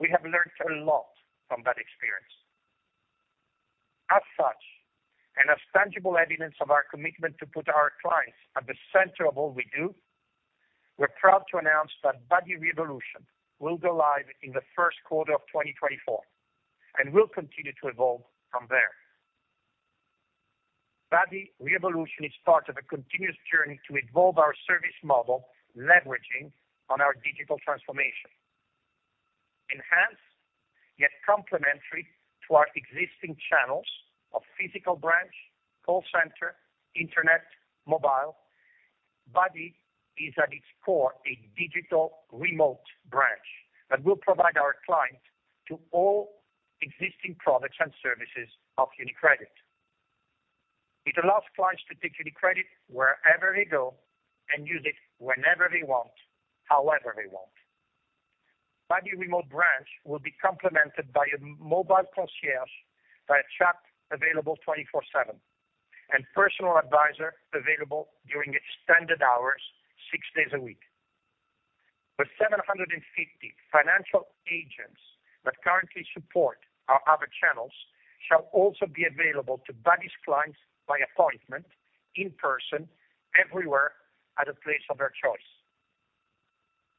Speaker 3: We have learned a lot from that experience. As such, and as tangible evidence of our commitment to put our clients at the center of all we do, we're proud to announce that Buddy R-evolution will go live in the first quarter of 2024, and will continue to evolve from there. Buddy R-evolution is part of a continuous journey to evolve our service model, leveraging on our digital transformation. Enhanced, yet complementary to our existing channels of physical branch, call center, internet, mobile, Buddy is at its core, a digital remote branch that will provide our clients to all existing products and services of UniCredit. It allows clients to take UniCredit wherever they go and use it whenever they want, however they want. Buddy Remote Branch will be complemented by a mobile concierge, by a chat available 24/7, and personal advisor available during extended hours, six days a week. The 750 financial agents that currently support our other channels shall also be available to Buddy's clients by appointment, in person, everywhere at a place of their choice.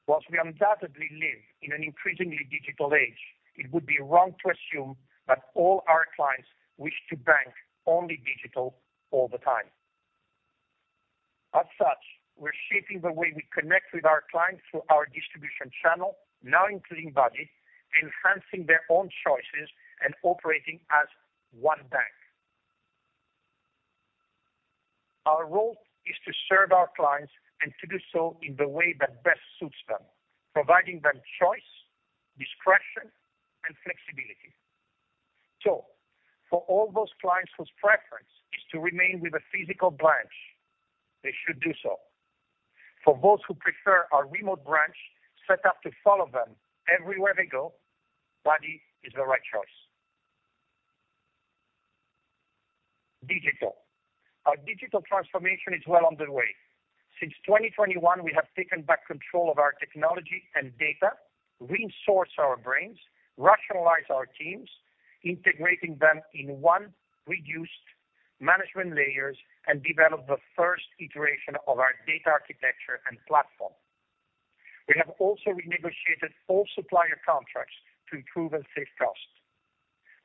Speaker 3: While we undoubtedly live in an increasingly digital age, it would be wrong to assume that all our clients wish to bank only digital all the time. As such, we're shaping the way we connect with our clients through our distribution channel, now including Buddy, enhancing their own choices and operating as one bank. Our role is to serve our clients and to do so in the way that best suits them, providing them choice, discretion, and flexibility. So for all those clients whose preference is to remain with a physical branch, they should do so. For those who prefer our remote branch, set up to follow them everywhere they go, Buddy is the right choice. Digital. Our digital transformation is well on the way. Since 2021, we have taken back control of our technology and data, reinsource our brains, rationalize our teams, integrating them in one reduced management layers, and develop the first iteration of our data architecture and platform. We have also renegotiated all supplier contracts to improve and save cost.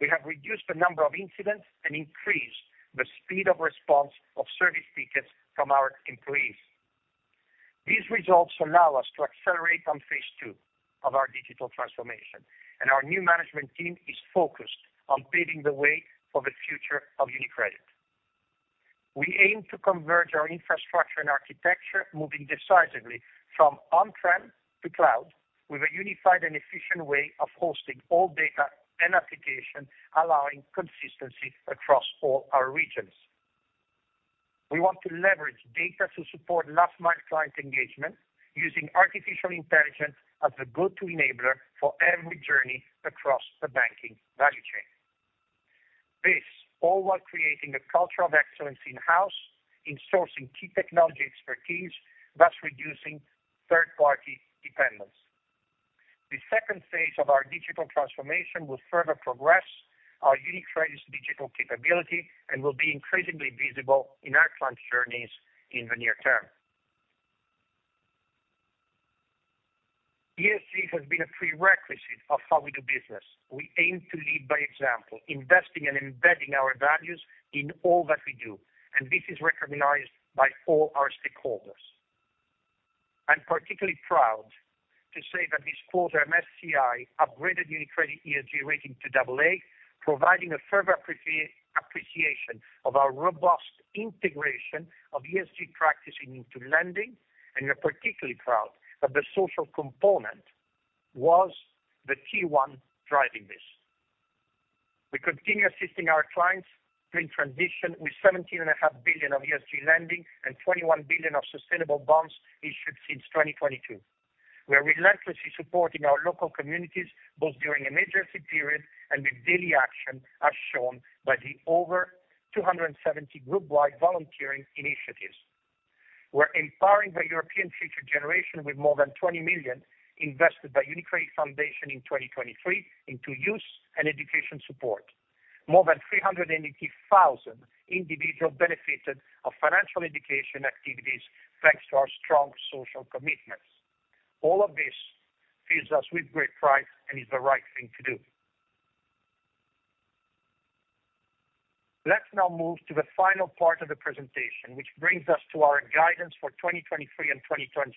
Speaker 3: We have reduced the number of incidents and increased the speed of response of service tickets from our employees. These results allow us to accelerate on phase two of our digital transformation, and our new management team is focused on paving the way for the future of UniCredit. We aim to converge our infrastructure and architecture, moving decisively from on-prem to cloud, with a unified and efficient way of hosting all data and application, allowing consistency across all our regions. We want to leverage data to support last mile client engagement, using artificial intelligence as a go-to enabler for every journey across the banking value chain. This, all while creating a culture of excellence in-house, in sourcing key technology expertise, thus reducing third-party dependence. The second phase of our digital transformation will further progress our UniCredit's digital capability and will be increasingly visible in our clients' journeys in the near term. ESG has been a prerequisite of how we do business. We aim to lead by example, investing and embedding our values in all that we do, and this is recognized by all our stakeholders. I'm particularly proud to say that this quarter, MSCI upgraded UniCredit ESG rating to AA, providing a further appreciation of our robust integration of ESG practicing into lending, and we are particularly proud that the social component was the key one driving this. We continue assisting our clients during transition with 17.5 billion of ESG lending and 21 billion of sustainable bonds issued since 2022.... We are relentlessly supporting our local communities, both during emergency periods and with daily action, as shown by the over 270 group-wide volunteering initiatives. We're empowering the European future generation with more than 20 million invested by UniCredit Foundation in 2023 into youth and education support. More than 380,000 individuals benefited from financial education activities, thanks to our strong social commitments. All of this fills us with great pride and is the right thing to do. Let's now move to the final part of the presentation, which brings us to our guidance for 2023 and 2024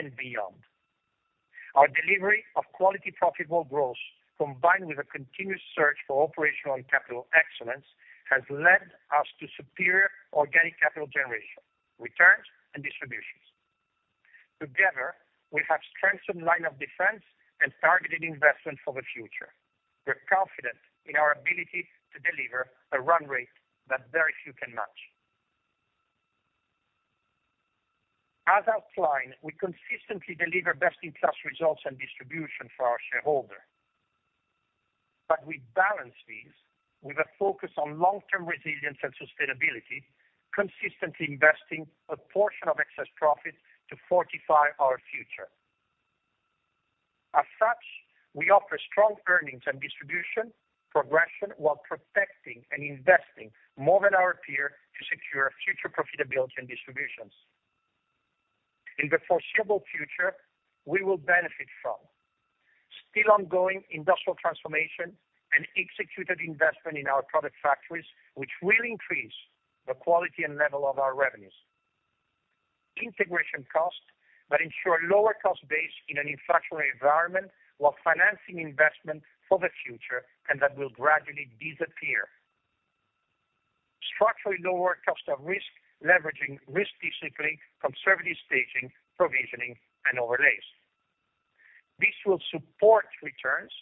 Speaker 3: and beyond. Our delivery of quality, profitable growth, combined with a continuous search for operational and capital excellence, has led us to superior organic capital generation, returns, and distributions. Together, we have strengthened line of defense and targeted investment for the future. We're confident in our ability to deliver a run rate that very few can match. As outlined, we consistently deliver best-in-class results and distribution for our shareholder, but we balance these with a focus on long-term resilience and sustainability, consistently investing a portion of excess profits to fortify our future. As such, we offer strong earnings and distribution progression, while protecting and investing more than our peer to secure future profitability and distributions. In the foreseeable future, we will benefit from still ongoing industrial transformation and executed investment in our product factories, which will increase the quality and level of our revenues. Integration costs that ensure lower cost base in an inflationary environment, while financing investment for the future, and that will gradually disappear. Structurally lower cost of risk, leveraging risk discipline, conservative staging, provisioning, and overlays. This will support returns,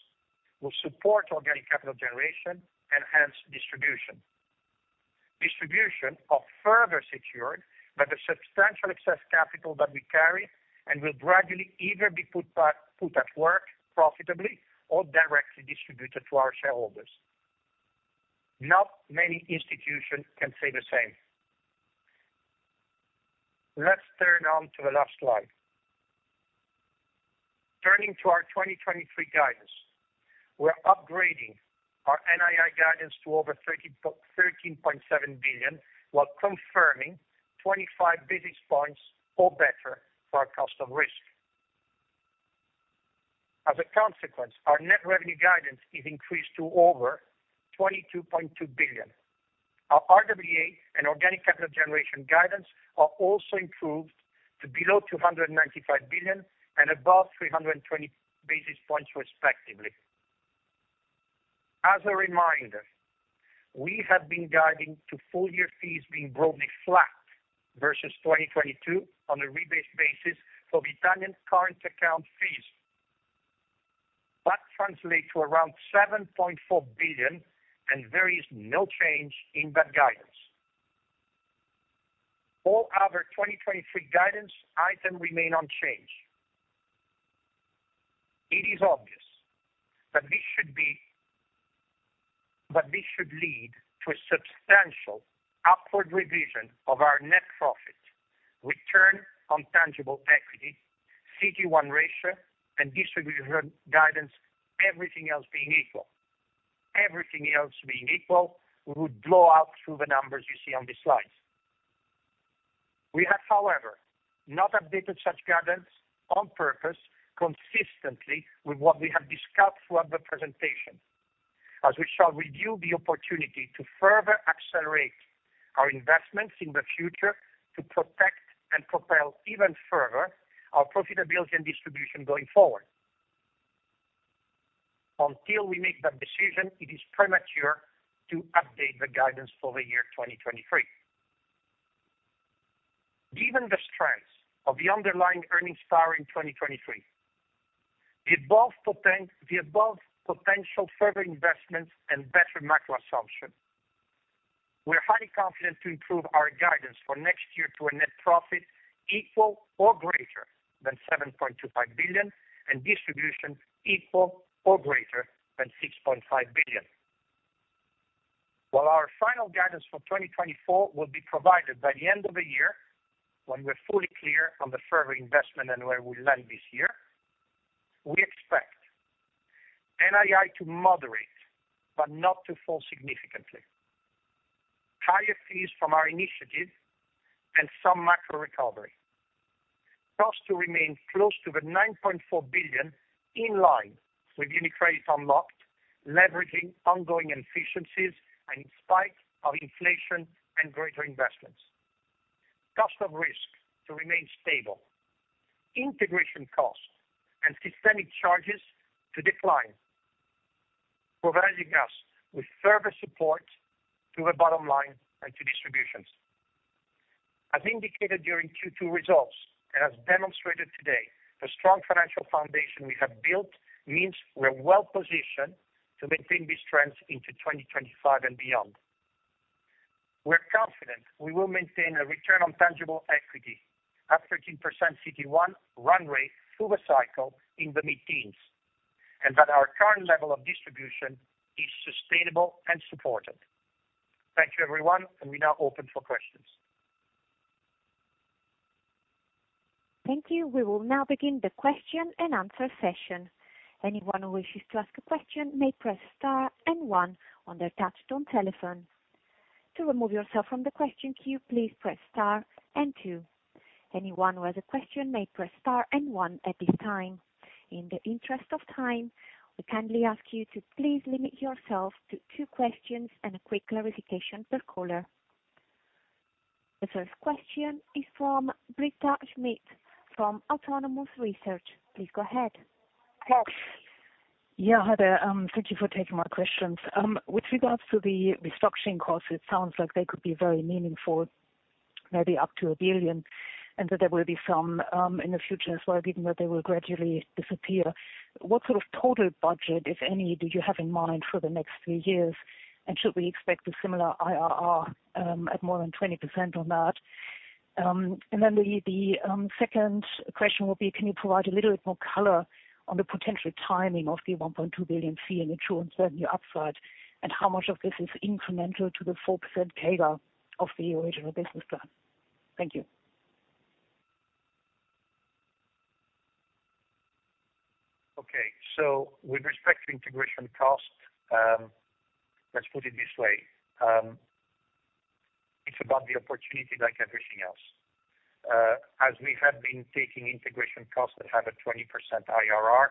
Speaker 3: will support organic capital generation, and hence distribution. Distribution are further secured by the substantial excess capital that we carry and will gradually either be put at work profitably or directly distributed to our shareholders. Not many institutions can say the same. Let's turn to the last slide. Turning to our 2023 guidance, we're upgrading our NII guidance to over 13.7 billion, while confirming 25 basis points or better for our cost of risk. As a consequence, our net revenue guidance is increased to over 22.2 billion. Our RWA and organic capital generation guidance are also improved to below 295 billion and above 320 basis points, respectively. As a reminder, we have been guiding to full year fees being broadly flat versus 2022 on a rebased basis for Italian current account fees. That translates to around 7.4 billion, and there is no change in that guidance. All other 2023 guidance item remain unchanged. It is obvious that this should lead to a substantial upward revision of our net profit, return on tangible equity, CET1 ratio, and distribution guidance, everything else being equal. Everything else being equal, we would blow out through the numbers you see on this slide. We have, however, not updated such guidance on purpose, consistently with what we have discussed throughout the presentation, as we shall review the opportunity to further accelerate our investments in the future to protect and propel even further our profitability and distribution going forward. Until we make that decision, it is premature to update the guidance for the year 2023. Given the strength of the underlying earnings power in 2023, the above potential further investments and better macro assumption, we are highly confident to improve our guidance for next year to a net profit equal or greater than 7.25 billion, and distribution equal or greater than 6.5 billion. While our final guidance for 2024 will be provided by the end of the year, when we're fully clear on the further investment and where we land this year, we expect NII to moderate, but not to fall significantly. Higher fees from our initiatives and some macro recovery. Costs to remain close to 9.4 billion, in line with UniCredit Unlocked, leveraging ongoing efficiencies and in spite of inflation and greater investments. Cost of risk to remain stable, integration costs and systemic charges to decline, providing us with further support to the bottom line and to distributions. As indicated during Q2 results, and as demonstrated today, the strong financial foundation we have built means we're well positioned to maintain these trends into 2025 and beyond. We're confident we will maintain a return on tangible equity at 13% CET1 run rate through the cycle in the mid-teens, and that our current level of distribution is sustainable and supported. Thank you, everyone, and we now open for questions.
Speaker 1: Thank you. We will now begin the question and answer session. Anyone who wishes to ask a question may press star and one on their touchtone telephone. To remove yourself from the question queue, please press star and two. Anyone who has a question may press star and one at this time. In the interest of time, we kindly ask you to please limit yourself to two questions and a quick clarification per caller. The first question is from Britta Schmidt from Autonomous Research. Please go ahead.
Speaker 5: Thanks. Yeah, hi there. Thank you for taking my questions. With regards to the restructuring costs, it sounds like they could be very meaningful, maybe up to 1 billion, and that there will be some in the future as well, even though they will gradually disappear. What sort of total budget, if any, do you have in mind for the next three years? And should we expect a similar IRR at more than 20% on that? And then the second question will be: Can you provide a little bit more color on the potential timing of the 1.2 billion fee and the true uncertainty upside, and how much of this is incremental to the 4% CAGR of the original business plan? Thank you.
Speaker 3: Okay. So with respect to integration cost, let's put it this way. It's about the opportunity like everything else. As we have been taking integration costs that have a 20% IRR,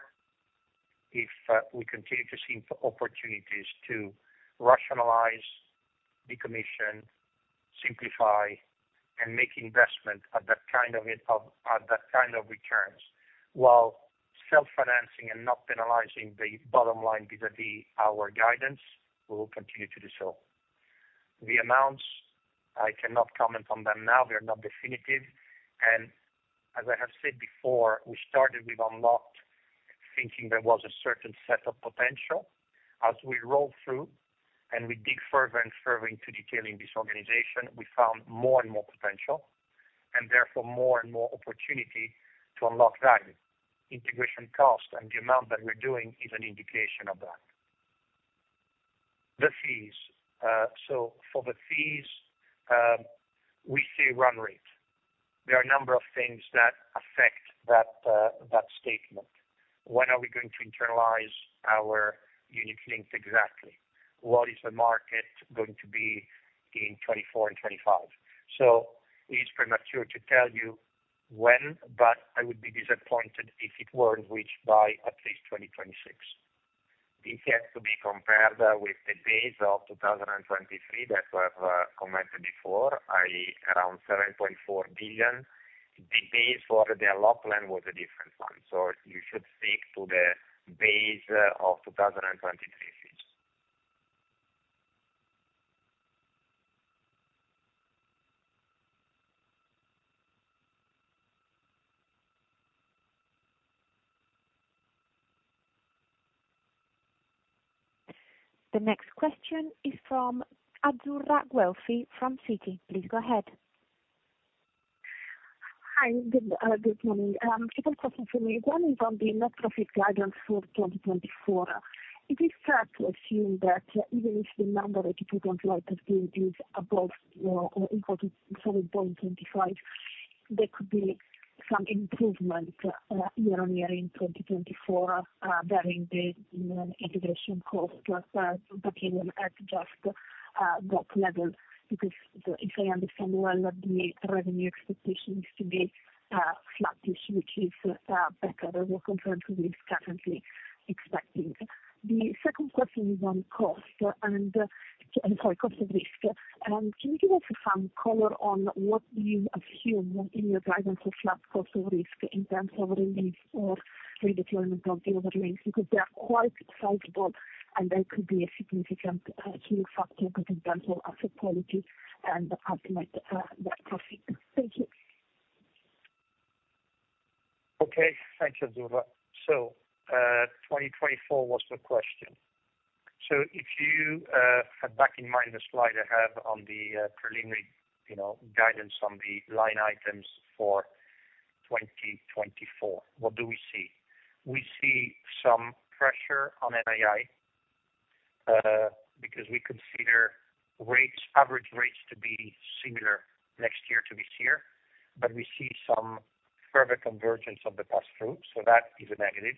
Speaker 3: if we continue to see opportunities to rationalize, decommission, simplify, and make investment at that kind of returns, while self-financing and not penalizing the bottom line vis-à-vis our guidance, we will continue to do so. The amounts, I cannot comment on them now. They're not definitive, and as I have said before, we started with unlocked, thinking there was a certain set of potential. As we roll through, and we dig further and further into detailing this organization, we found more and more potential, and therefore more and more opportunity to unlock value, integration cost, and the amount that we're doing is an indication of that. The fees. So for the fees, we see run rate. There are a number of things that affect that, that statement. When are we going to internalize our unit-linked exactly? What is the market going to be in 2024 and 2025? So it's premature to tell you when, but I would be disappointed if it weren't reached by at least 2026.
Speaker 4: This has to be compared with the base of 2023 that I've commented before, i.e., around 7.4 billion. The base for the unlock plan was a different one, so you should stick to the base of 2023 fees.
Speaker 1: The next question is from Azzurra Guelfi from Citi. Please go ahead.
Speaker 6: Hi, good, good morning. Two questions for me. One is on the net profit guidance for 2024. Is it fair to assume that even if the number that you put on right is above or equal to 7.25 billion, there could be some improvement year-on-year in 2024 during the integration cost, but even at just that level, because if I understand well, that the revenue expectation is to be flat-ish, which is better than what confirmed we are currently expecting. The second question is on cost, and I'm sorry, cost of risk. Can you give us some color on what you assume in your guidance for flat cost of risk in terms of relief or redeployment of the overlays? Because they are quite sizable, and they could be a significant key factor with example, asset quality and ultimate net profit. Thank you.
Speaker 3: Okay, thanks, Azzurra. So, 2024 was the question. So if you have back in mind the slide I have on the preliminary, you know, guidance on the line items for 2024, what do we see? We see some pressure on NII because we consider rates, average rates to be similar next year to this year, but we see some further convergence of the pass-through, so that is a negative.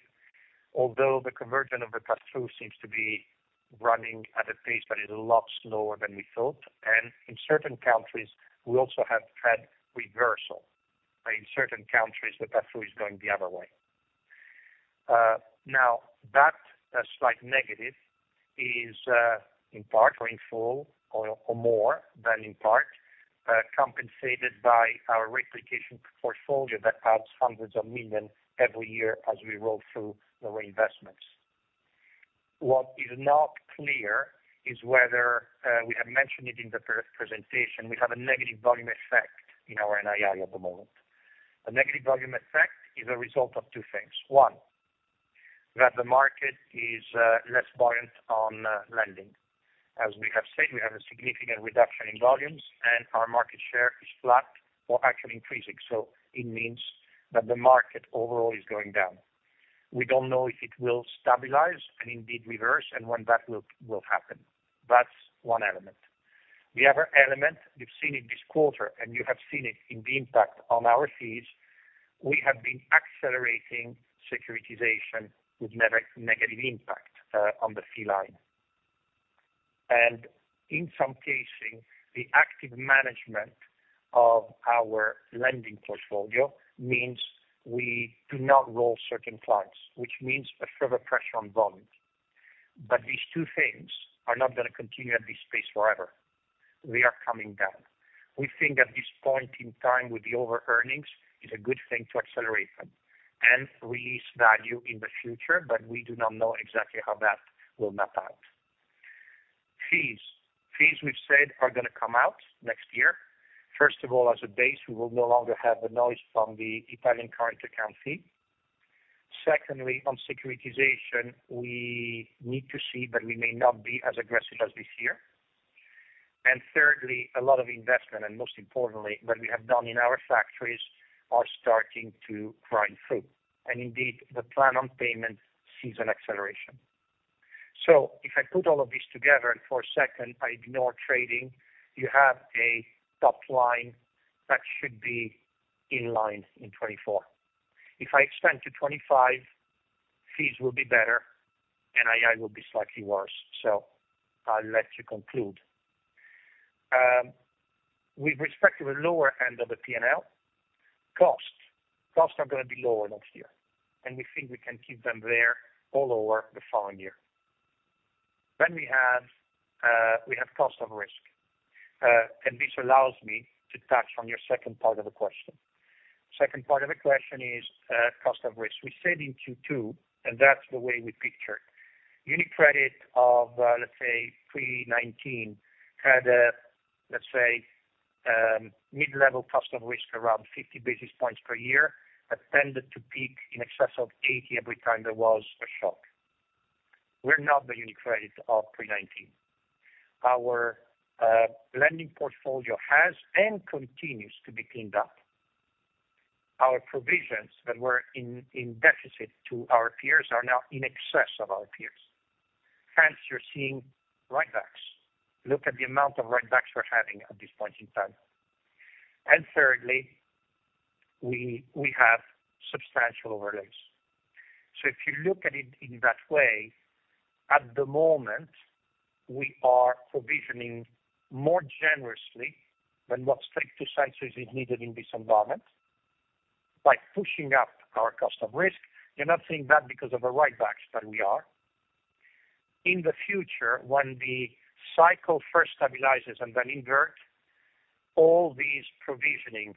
Speaker 3: Although the convergence of the pass-through seems to be running at a pace that is a lot slower than we thought, and in certain countries we also have had reversal. In certain countries, the pass-through is going the other way. Now, that slight negative is in part or in full or more than in part compensated by our replication portfolio that adds hundreds of million every year as we roll through the reinvestments. What is not clear is whether we have mentioned it in the first presentation. We have a negative volume effect in our NII at the moment. A negative volume effect is a result of two things. One, that the market is less buoyant on lending. As we have said, we have a significant reduction in volumes, and our market share is flat or actually increasing, so it means that the market overall is going down. We don't know if it will stabilize and indeed reverse, and when that will happen. That's one element. The other element, we've seen in this quarter, and you have seen it in the impact on our fees, we have been accelerating securitization with negative impact on the fee line. And in some cases, the active management of our lending portfolio means we do not roll certain clients, which means a further pressure on volume. But these two things are not gonna continue at this pace forever. We are coming down. We think at this point in time, with the over earnings, is a good thing to accelerate them and release value in the future, but we do not know exactly how that will map out. Fees. Fees, we've said, are gonna come out next year. First of all, as a base, we will no longer have the noise from the Italian current account fee. Secondly, on securitization, we need to see, but we may not be as aggressive as this year. And thirdly, a lot of investment, and most importantly, what we have done in our factories are starting to grind through. And indeed, the plan on payment sees an acceleration. So if I put all of these together, and for a second I ignore trading, you have a top line that should be in line in 2024. If I extend to 2025, fees will be better, NII will be slightly worse. So I'll let you conclude. With respect to the lower end of the P&L, costs, costs are gonna be lower next year, and we think we can keep them there all over the following year. Then we have cost of risk, and this allows me to touch on your second part of the question. Second part of the question is, cost of risk. We said in Q2, and that's the way we picture it. UniCredit of, let's say, pre-2019, had a, let's say, mid-level cost of risk, around 50 basis points per year, but tended to peak in excess of 80 every time there was a shock. We're not the UniCredit of pre-2019. Our, lending portfolio has and continues to be cleaned up. Our provisions that were in, in deficit to our peers are now in excess of our peers. Hence, you're seeing write-backs. Look at the amount of write-backs we're having at this point in time. And thirdly, we, we have substantial overlays. So if you look at it in that way, at the moment, we are provisioning more generously than what strict precisely is needed in this environment. By pushing up our cost of risk, you're not seeing that because of the write backs that we are. In the future, when the cycle first stabilizes and then invert, all these provisioning,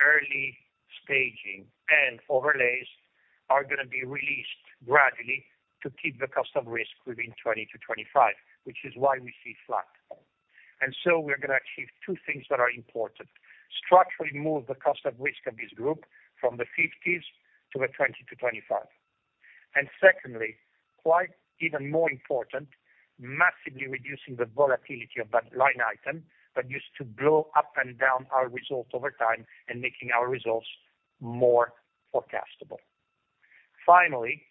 Speaker 3: early staging, and overlays are gonna be released gradually to keep the cost of risk within 20-25, which is why we see flat. And so we're gonna achieve two things that are important: structurally move the cost of risk of this group from the 50s to the 20-25. And secondly, quite even more important, massively reducing the volatility of that line item that used to blow up and down our results over time and making our results more forecastable. Finally,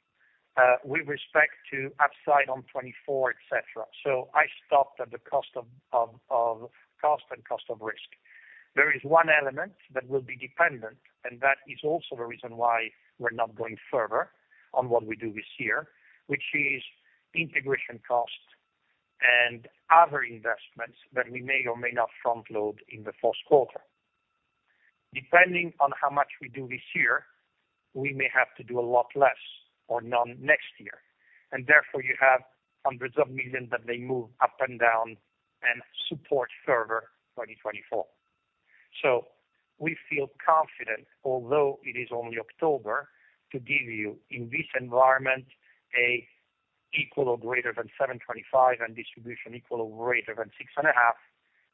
Speaker 3: with respect to upside on 2024, et cetera, so I stopped at the cost of risk. There is one element that will be dependent, and that is also the reason why we're not going further on what we do this year, which is integration costs and other investments that we may or may not front load in the first quarter. Depending on how much we do this year, we may have to do a lot less or none next year, and therefore, you have 100 million-900 million that may move up and down and support further 2024. We feel confident, although it is only October, to give you, in this environment, a equal or greater than 725, and distribution equal or greater than 6.5.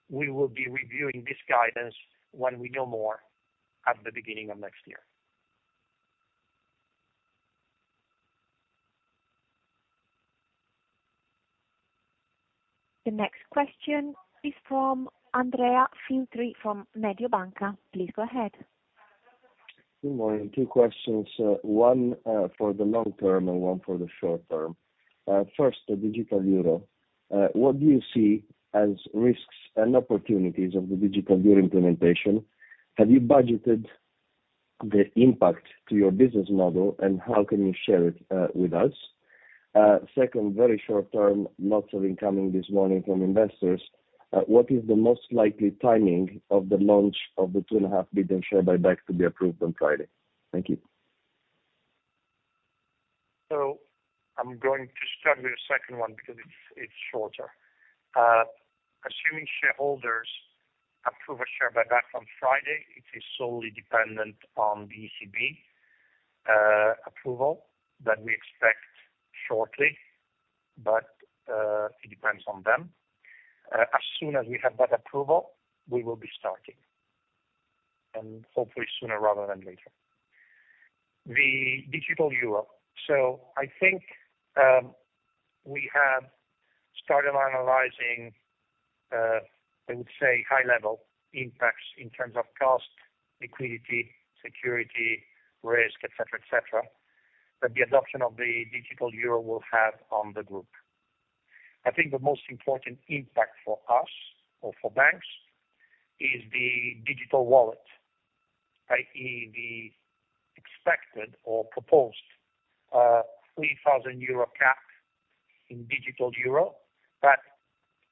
Speaker 3: We will be reviewing this guidance when we know more at the beginning of next year.
Speaker 1: The next question is from Andrea Filtri, from Mediobanca. Please go ahead.
Speaker 7: Good morning. Two questions, one, for the long term and one for the short term. First, the Digital Euro. What do you see as risks and opportunities of the Digital Euro implementation? Have you budgeted the impact to your business model, and how can you share it, with us? Second, very short term, lots of incoming this morning from investors. What is the most likely timing of the launch of the 2.5 billion share buyback to be approved on Friday? Thank you.
Speaker 3: So I'm going to start with the second one because it's shorter. Assuming shareholders approve a share buyback on Friday, it is solely dependent on the ECB approval that we expect shortly, but it depends on them. As soon as we have that approval, we will be starting. And hopefully sooner rather than later. The Digital Euro. So I think we have started analyzing, I would say, high level impacts in terms of cost, liquidity, security, risk, et cetera, et cetera, that the adoption of the Digital Euro will have on the group. I think the most important impact for us or for banks is the digital wallet, i.e., the expected or proposed 3,000 euro cap in Digital Euro, that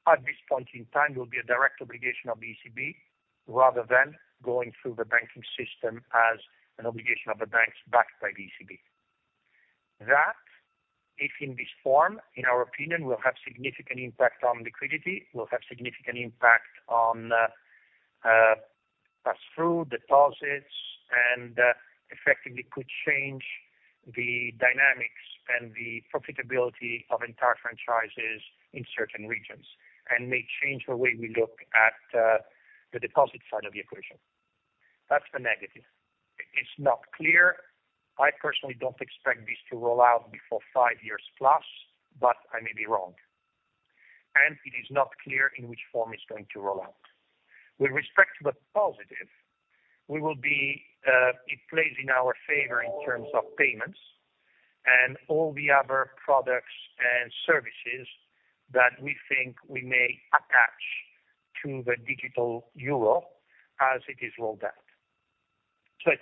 Speaker 3: at this point in time will be a direct obligation of the ECB, rather than going through the banking system as an obligation of the banks backed by the ECB. That, if in this form, in our opinion, will have significant impact on liquidity, will have significant impact on pass-through deposits, and effectively could change the dynamics and the profitability of entire franchises in certain regions, and may change the way we look at the deposit side of the equation. That's the negative. It's not clear. I personally don't expect this to roll out before 5+ years, but I may be wrong, and it is not clear in which form it's going to roll out. With respect to the positive, we will be it plays in our favor in terms of payments and all the other products and services that we think we may attach to the Digital Euro as it is rolled out. So I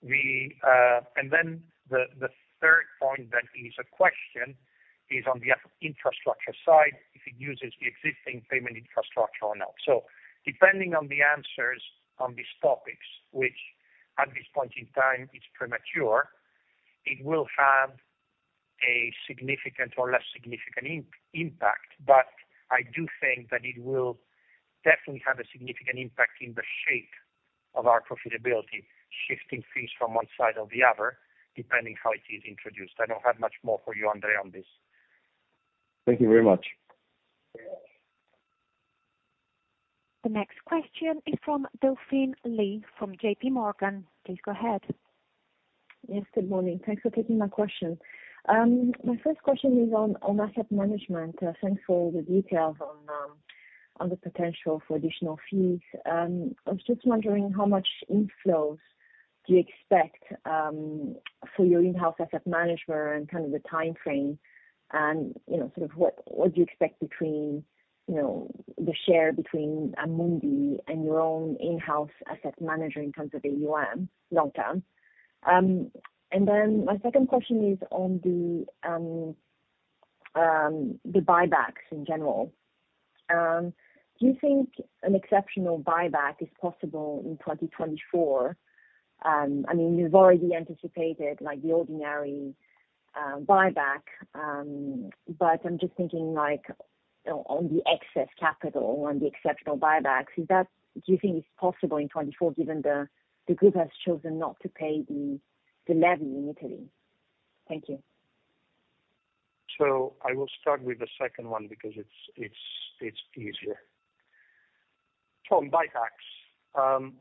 Speaker 3: think we. And then the third point then is a question on the infrastructure side, if it uses the existing payment infrastructure or not. So depending on the answers on these topics, which at this point in time is premature, it will have a significant or less significant impact. But I do think that it will definitely have a significant impact in the shape of our profitability, shifting fees from one side or the other, depending how it is introduced. I don't have much more for you, Andrea, on this.
Speaker 7: Thank you very much.
Speaker 1: The next question is from Delphine Lee from JPMorgan. Please go ahead.
Speaker 8: Yes, good morning. Thanks for taking my question. My first question is on, on asset management. Thanks for all the details on, on the potential for additional fees. I was just wondering how much inflows do you expect, for your in-house asset management and kind of the time frame, and, you know, sort of what, what do you expect between, you know, the share between Amundi and your own in-house asset manager in terms of the AUM, long term? And then my second question is on the, the buybacks in general. Do you think an exceptional buyback is possible in 2024? I mean, you've already anticipated, like, the ordinary, buyback, but I'm just thinking, like, on, on the excess capital, on the exceptional buybacks. Is that, do you think it's possible in 2024, given the group has chosen not to pay the levy in Italy? Thank you.
Speaker 3: I will start with the second one because it's easier. On buybacks,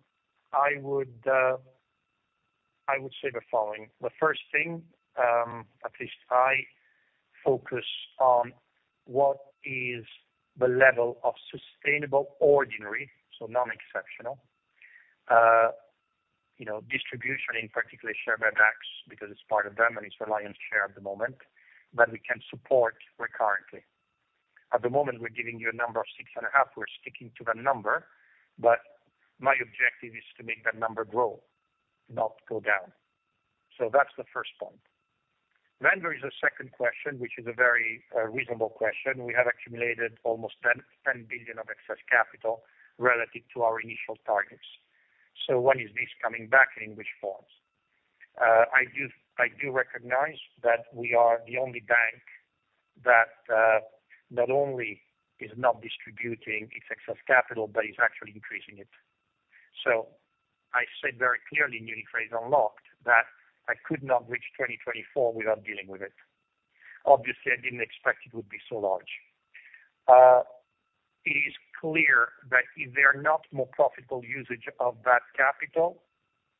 Speaker 3: I would say the following: The first thing, at least I focus on what is the level of sustainable, ordinary, so non-exceptional, you know, distribution, in particular share buybacks, because it's part of them, and it's reliant share at the moment, that we can support recurrently. At the moment, we're giving you a number of 6.5. We're sticking to that number, but my objective is to make that number grow, not go down. That's the first point. There is a second question, which is a very reasonable question. We have accumulated almost 10 billion of excess capital relative to our initial targets. When is this coming back, and in which forms? I do, I do recognize that we are the only bank that, not only is not distributing its excess capital, but is actually increasing it. So I said very clearly, UniCredit is unlocked, that I could not reach 2024 without dealing with it. Obviously, I didn't expect it would be so large. It is clear that if there are not more profitable usage of that capital,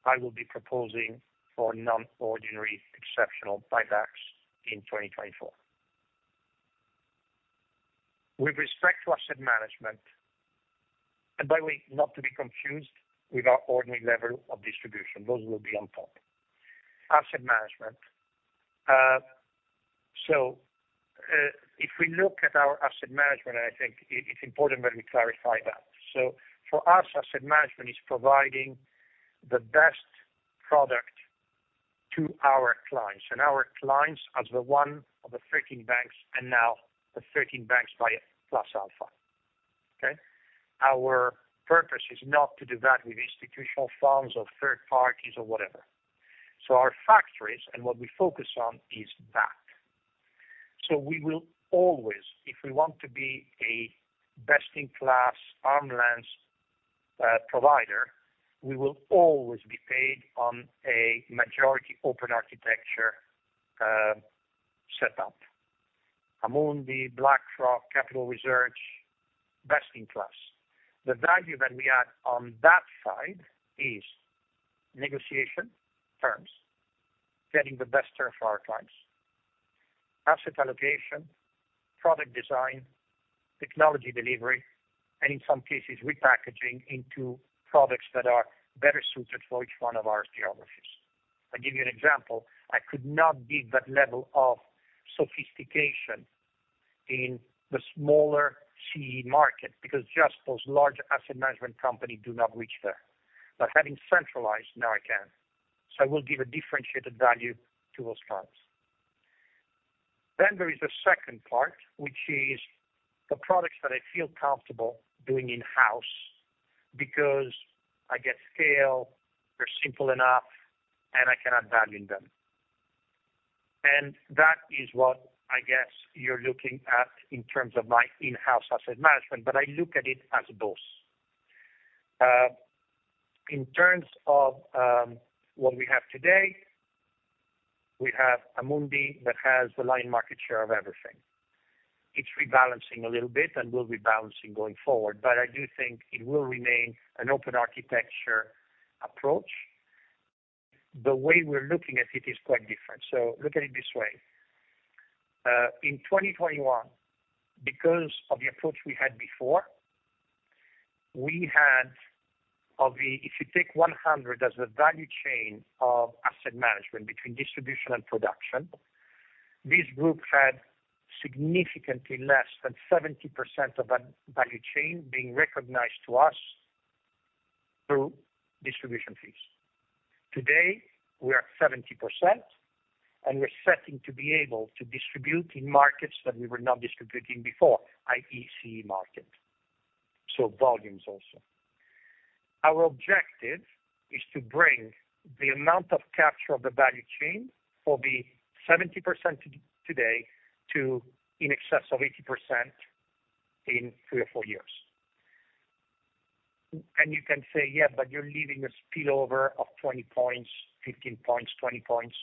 Speaker 3: I will be proposing for non-ordinary exceptional buybacks in 2024. With respect to asset management, and by the way, not to be confused with our ordinary level of distribution, those will be on top. Asset management, so, if we look at our asset management, I think it, it's important that we clarify that. So for us, asset management is providing the best product to our clients, and our clients as the one of the leading banks, and now the leading banks by plus alpha. Okay? Our purpose is not to do that with institutional firms or third parties or whatever. So our factories and what we focus on is that. So we will always, if we want to be a best-in-class arm's length, provider, we will always be paid on a majority open architecture, setup. Amundi, BlackRock, Capital Research, best in class. The value that we add on that side is negotiation terms, getting the best terms for our clients, asset allocation, product design, technology delivery, and in some cases, repackaging into products that are better suited for each one of our geographies. I'll give you an example. I could not beat that level of sophistication in the smaller CE market, because just those large asset management companies do not reach there. By having centralized, now I can. So I will give a differentiated value to those clients. Then there is a second part, which is the products that I feel comfortable doing in-house because I get scale, they're simple enough, and I can add value in them. And that is what, I guess, you're looking at in terms of my in-house asset management, but I look at it as both. In terms of what we have today, we have Amundi that has the lion's share of everything. It's rebalancing a little bit and will be rebalancing going forward, but I do think it will remain an open architecture approach. The way we're looking at it is quite different. So look at it this way. In 2021, because of the approach we had before, we had of the—if you take 100 as the value chain of asset management between distribution and production, this group had significantly less than 70% of that value chain being recognized to us through distribution fees. Today, we are at 70%, and we're setting to be able to distribute in markets that we were not distributing before, i.e., CE market, so volumes also. Our objective is to bring the amount of capture of the value chain for the 70% today to in excess of 80% in three or four years. And you can say, "Yeah, but you're leaving a spillover of 20 points, 15 points, 20 points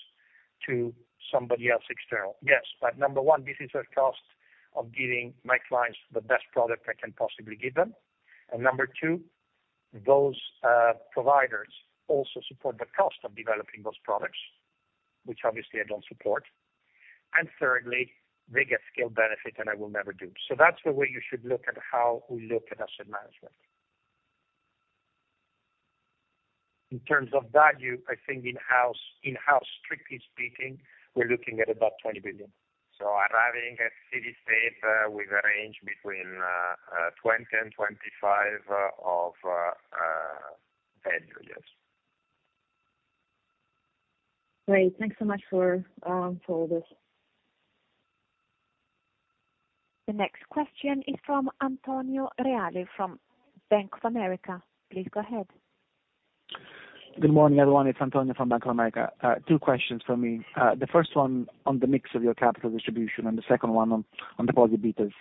Speaker 3: to somebody else external." Yes, but number one, this is a cost of giving my clients the best product I can possibly give them. And number two, those providers also support the cost of developing those products, which obviously I don't support. And thirdly, they get scale benefit, and I will never do. So that's the way you should look at how we look at asset management. In terms of value, I think in house, in house, strictly speaking, we're looking at about 20 billion.
Speaker 4: Arriving at steady state, with a range between 20 billion and 25 billion of value, yes.
Speaker 8: Great, thanks so much for, for this.
Speaker 1: The next question is from Antonio Reale, from Bank of America. Please go ahead.
Speaker 9: Good morning, everyone. It's Antonio from Bank of America. Two questions for me. The first one on the mix of your capital distribution and the second one on deposit betas.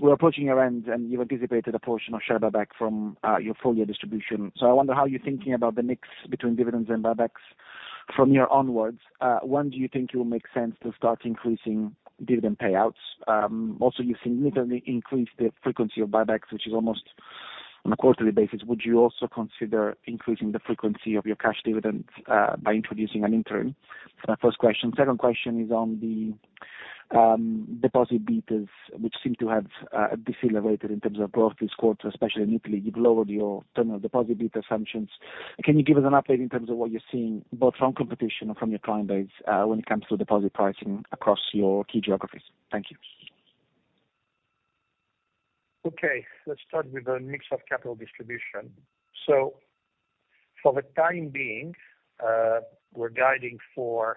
Speaker 9: We're approaching your end, and you've anticipated a portion of share buyback from your full year distribution. So I wonder how you're thinking about the mix between dividends and buybacks from here onwards. When do you think it will make sense to start increasing dividend payouts? Also, you significantly increased the frequency of buybacks, which is almost on a quarterly basis. Would you also consider increasing the frequency of your cash dividends by introducing an interim? That's my first question. Second question is on the deposit betas, which seem to have decelerated in terms of growth this quarter, especially in Italy. You've lowered your terminal deposit beta assumptions. Can you give us an update in terms of what you're seeing, both from competition and from your client base, when it comes to deposit pricing across your key geographies? Thank you.
Speaker 3: Okay, let's start with the mix of capital distribution. So for the time being, we're guiding for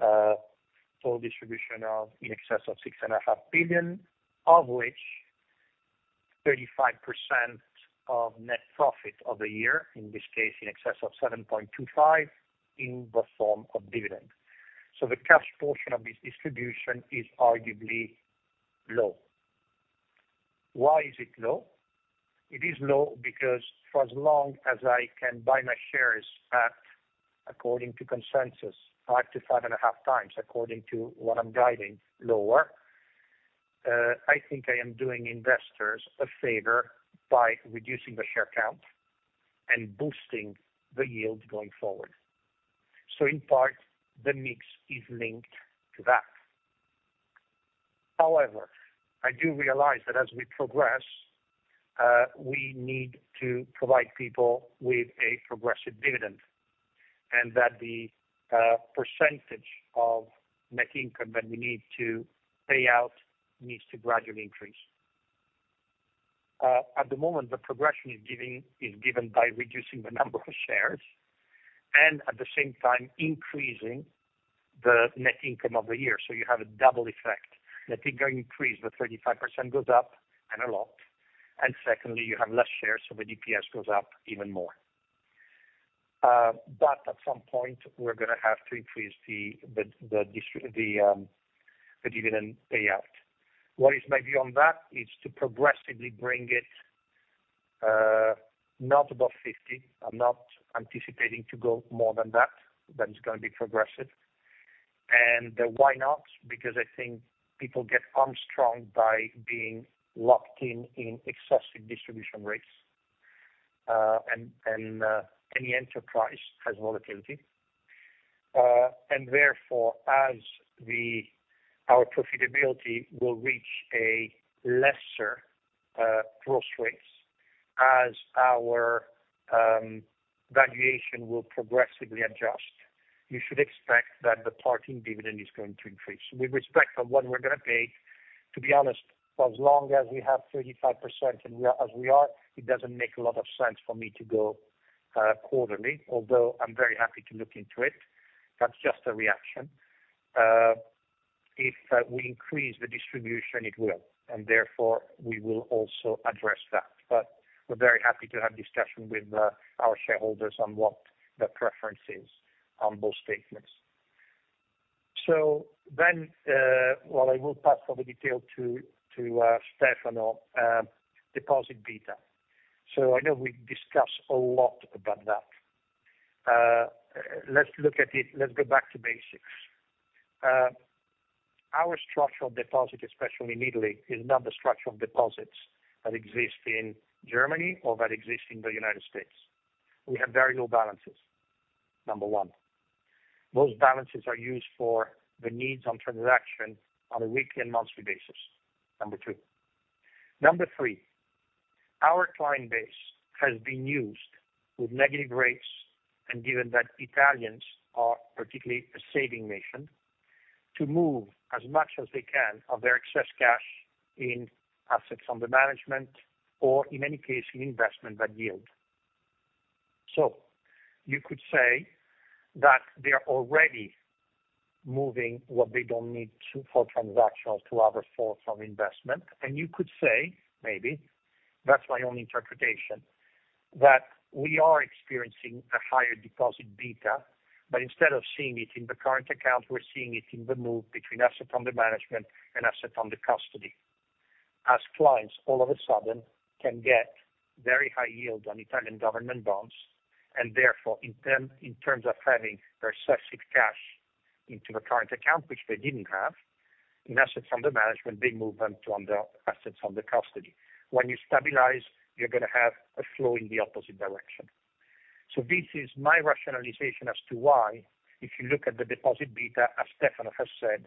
Speaker 3: total distribution of in excess of 6.5 billion, of which 35% of net profit of the year, in this case, in excess of 7.25 billion, in the form of dividend. So the cash portion of this distribution is arguably low. Why is it low? It is low because for as long as I can buy my shares at, according to consensus, 5-5.5x, according to what I'm guiding lower, I think I am doing investors a favor by reducing the share count and boosting the yield going forward. So in part, the mix is linked to that. However, I do realize that as we progress, we need to provide people with a progressive dividend, and that the percentage of net income that we need to pay out needs to gradually increase. At the moment, the progression is given by reducing the number of shares, and at the same time increasing the net income of the year. So you have a double effect. Net income increase, the 35% goes up and a lot, and secondly, you have less shares, so the DPS goes up even more. But at some point, we're going to have to increase the dividend payout. What is my view on that? Is to progressively bring it not above 50%. I'm not anticipating to go more than that, but it's gonna be progressive. And why not? Because I think people get humstrung by being locked in, in excessive distribution rates, and any enterprise has volatility. And therefore, as our profitability will reach a lesser, growth rates, as our, valuation will progressively adjust, you should expect that the parting dividend is going to increase. With respect to what we're going to pay, to be honest, as long as we have 35% and we are as we are, it doesn't make a lot of sense for me to go, quarterly, although I'm very happy to look into it. That's just a reaction. If, we increase the distribution, it will, and therefore we will also address that. But we're very happy to have discussion with, our shareholders on what the preference is on those statements. So then, well, I will pass for the detail to Stefano, deposit beta. So I know we discussed a lot about that. Let's look at it. Let's go back to basics. Our structural deposit, especially in Italy, is not the structure of deposits that exist in Germany or that exist in the United States. We have very low balances, number one. Those balances are used for the needs on transaction on a weekly and monthly basis, number two. Number three, our client base has been used with negative rates, and given that Italians are particularly a saving nation, to move as much as they can of their excess cash in assets under management, or in many case, in investment that yield. So you could say that they are already moving what they don't need to, for transactional, to other form of investment. And you could say, maybe, that's my own interpretation, that we are experiencing a higher deposit beta, but instead of seeing it in the current account, we're seeing it in the move between assets under management and assets under custody. As clients all of a sudden can get very high yield on Italian government bonds, and therefore, in terms of having excessive cash into the current account, which they didn't have, in assets under management, they move them to under assets under custody. When you stabilize, you're gonna have a flow in the opposite direction. So this is my rationalization as to why, if you look at the deposit beta, as Stefano has said,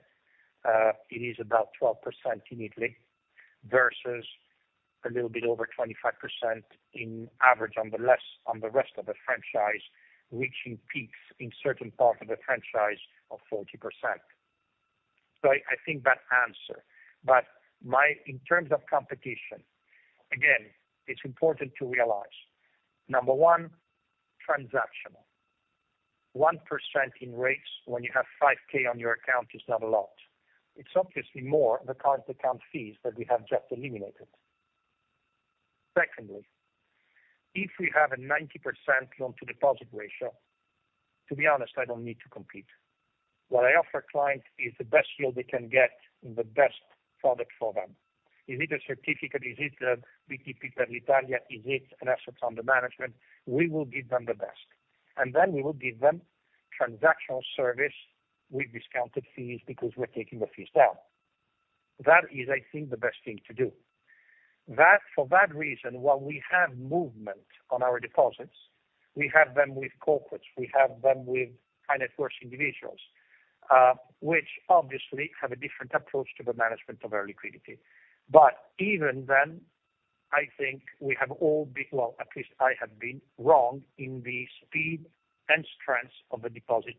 Speaker 3: it is about 12% in Italy, versus a little bit over 25% in average, on the rest of the franchise, reaching peaks in certain parts of the franchise of 40%. So I think that answer. But my, in terms of competition, again, it's important to realize, number one, transactional. 1% in rates when you have 5,000 on your account is not a lot. It's obviously more the current account fees that we have just eliminated. Secondly, if we have a 90% loan to deposit ratio, to be honest, I don't need to compete. What I offer a client is the best yield they can get and the best product for them. Is it a certificate? Is it the BTP l'Italia? Is it an asset under management? We will give them the best, and then we will give them transactional service with discounted fees because we're taking the fees down. That is, I think, the best thing to do. That, for that reason, while we have movement on our deposits, we have them with corporates, we have them with high net worth individuals, which obviously have a different approach to the management of our liquidity. But even then, I think we have all been, well, at least I have been wrong in the speed and strength of the deposit,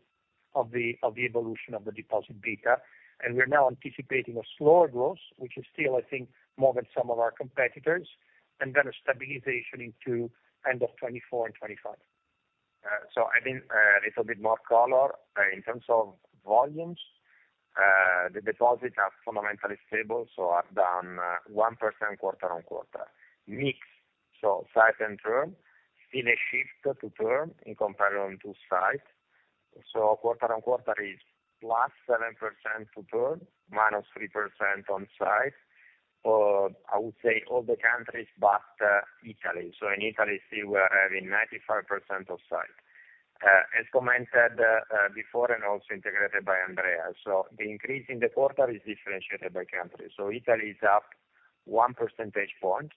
Speaker 3: of the, of the evolution of the deposit beta, and we are now anticipating a slower growth, which is still, I think, more than some of our competitors, and then a stabilization into end of 2024 and 2025.
Speaker 4: So I think a little bit more color in terms of volumes. The deposits are fundamentally stable, so are down 1% quarter-on-quarter. Mix, so sight and term, in a shift to term in comparison to sight. So quarter-on-quarter is +7% to term, -3% on sight. I would say all the countries, but Italy. So in Italy, still we're having 95% of sight. As commented before, and also integrated by Andrea, so the increase in the quarter is differentiated by country. So Italy is up one percentage point.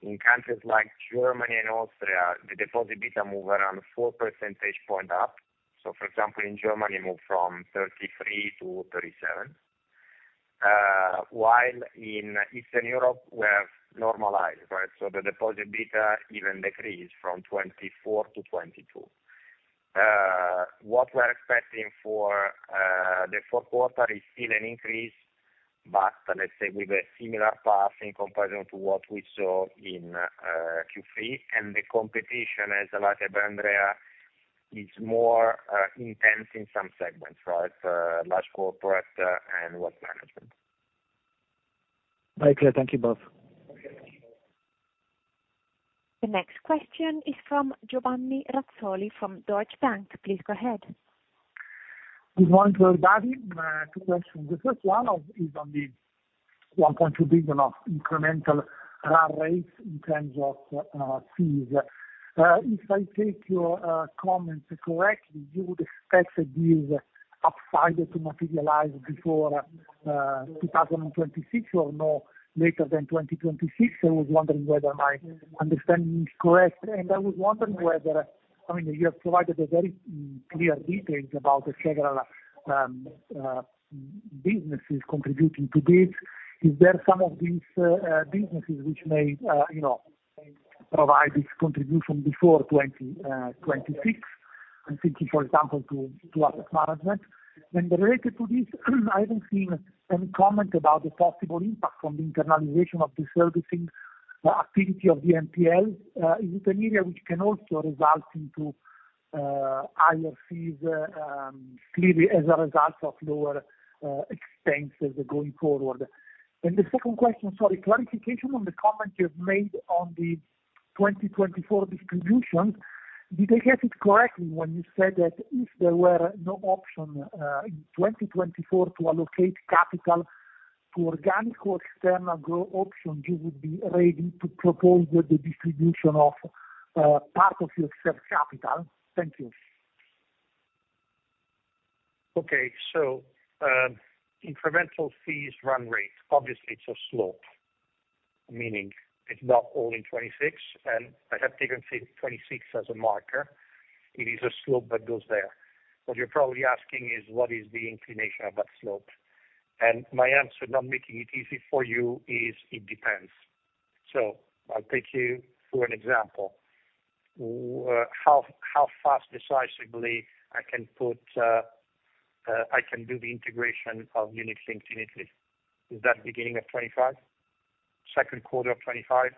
Speaker 4: In countries like Germany and Austria, the deposit beta move around four percentage point up. So for example, in Germany, moved from 33 to 37. While in Eastern Europe, we have normalized, right? So the deposit beta even decreased from 24 to 22. What we're expecting for the fourth quarter is still an increase, but let's say with a similar path in comparison to what we saw in Q3, and the competition, as highlighted by Andrea, is more intense in some segments, right? Large corporate and wealth management.
Speaker 9: Very clear. Thank you both.
Speaker 1: The next question is from Giovanni Razzoli from Deutsche Bank. Please go ahead....
Speaker 10: Good morning to everybody. Two questions. The first one is on the 1.2 billion of incremental run rate in terms of fees. If I take your comments correctly, you would expect the deal upside to materialize before 2026 or no later than 2026. I was wondering whether my understanding is correct. I was wondering whether, I mean, you have provided a very clear details about the several businesses contributing to this. Is there some of these businesses which may, you know, provide this contribution before 2026? I'm thinking, for example, to asset management. Then related to this, I haven't seen any comment about the possible impact on the internalization of the servicing activity of the NPL. Is it an area which can also result into higher fees, clearly as a result of lower expenses going forward? The second question, sorry, clarification on the comment you've made on the 2024 distribution. Did I get it correctly when you said that if there were no option in 2024 to allocate capital to organic or external growth options, you would be ready to propose the distribution of part of your self capital? Thank you.
Speaker 3: Okay. So, incremental fees run rate. Obviously, it's a slope, meaning it's not all in 2026, and I have taken 2026 as a marker. It is a slope that goes there. What you're probably asking is what is the inclination of that slope? And my answer, not making it easy for you, is it depends. So I'll take you through an example. How fast decisively I can do the integration of UniCredit in Italy. Is that beginning of 2025? Second quarter of 2025?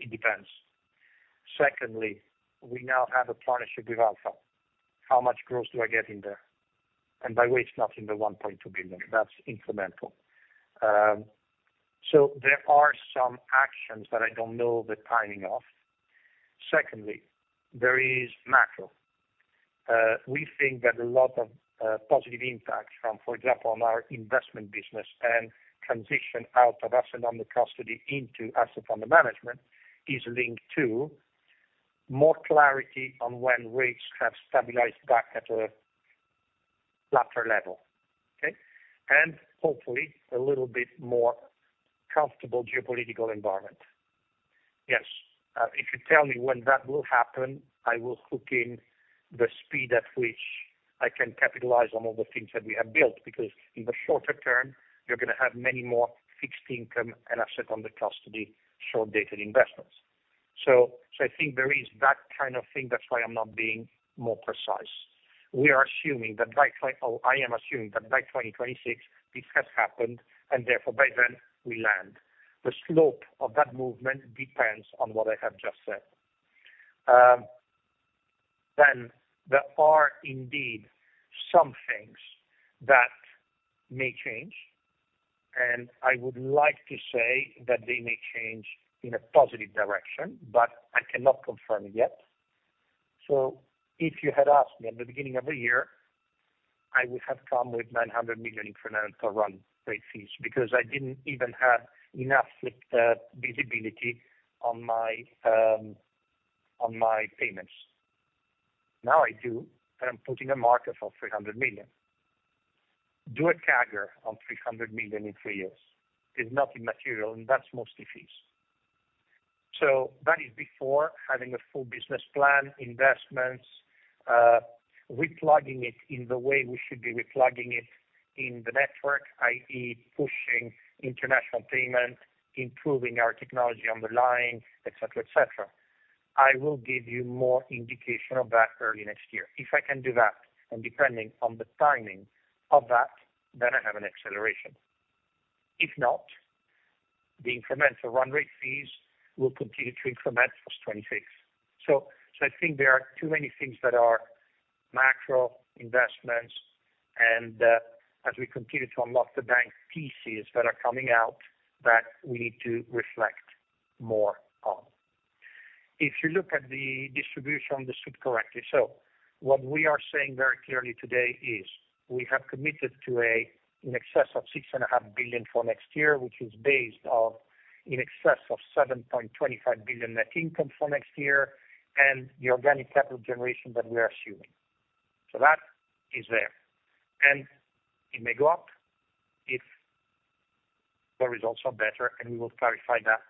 Speaker 3: It depends. Secondly, we now have a partnership with Alpha. How much growth do I get in there? And by the way, it's not in the 1.2 billion, that's incremental. So there are some actions that I don't know the timing of. Secondly, there is macro. We think that a lot of positive impact from, for example, on our investment business and transition out of asset under custody into asset under management, is linked to more clarity on when rates have stabilized back at a latter level. Okay? And hopefully a little bit more comfortable geopolitical environment. Yes, if you tell me when that will happen, I will hook in the speed at which I can capitalize on all the things that we have built, because in the shorter term, you're going to have many more fixed income and asset under custody, short-dated investments. I think there is that kind of thing. That's why I'm not being more precise. We are assuming that by 2026, this has happened and therefore by then we land. The slope of that movement depends on what I have just said. Then there are indeed some things that may change, and I would like to say that they may change in a positive direction, but I cannot confirm it yet. So if you had asked me at the beginning of the year, I would have come with 900 million incremental run rate fees because I didn't even have enough visibility on my payments. Now I do, and I'm putting a marker for 300 million. Do a CAGR on 300 million in three years. It's not immaterial, and that's mostly fees. So that is before having a full business plan, investments, replugging it in the way we should be replugging it in the network, i.e., pushing international payment, improving our technology on the line, et cetera, et cetera. I will give you more indication of that early next year. If I can do that, and depending on the timing of that, then I have an acceleration. If not, the incremental run rate fees will continue to increment for 2026. So, so I think there are too many things that are macro investments and, as we continue to unlock the bank pieces that are coming out, that we need to reflect more on. If you look at the distribution, I understood correctly. So what we are saying very clearly today is, we have committed to in excess of 6.5 billion for next year, which is based on in excess of 7.25 billion net income for next year, and the organic capital generation that we are assuming. So that is there, and it may go up if the results are better, and we will clarify that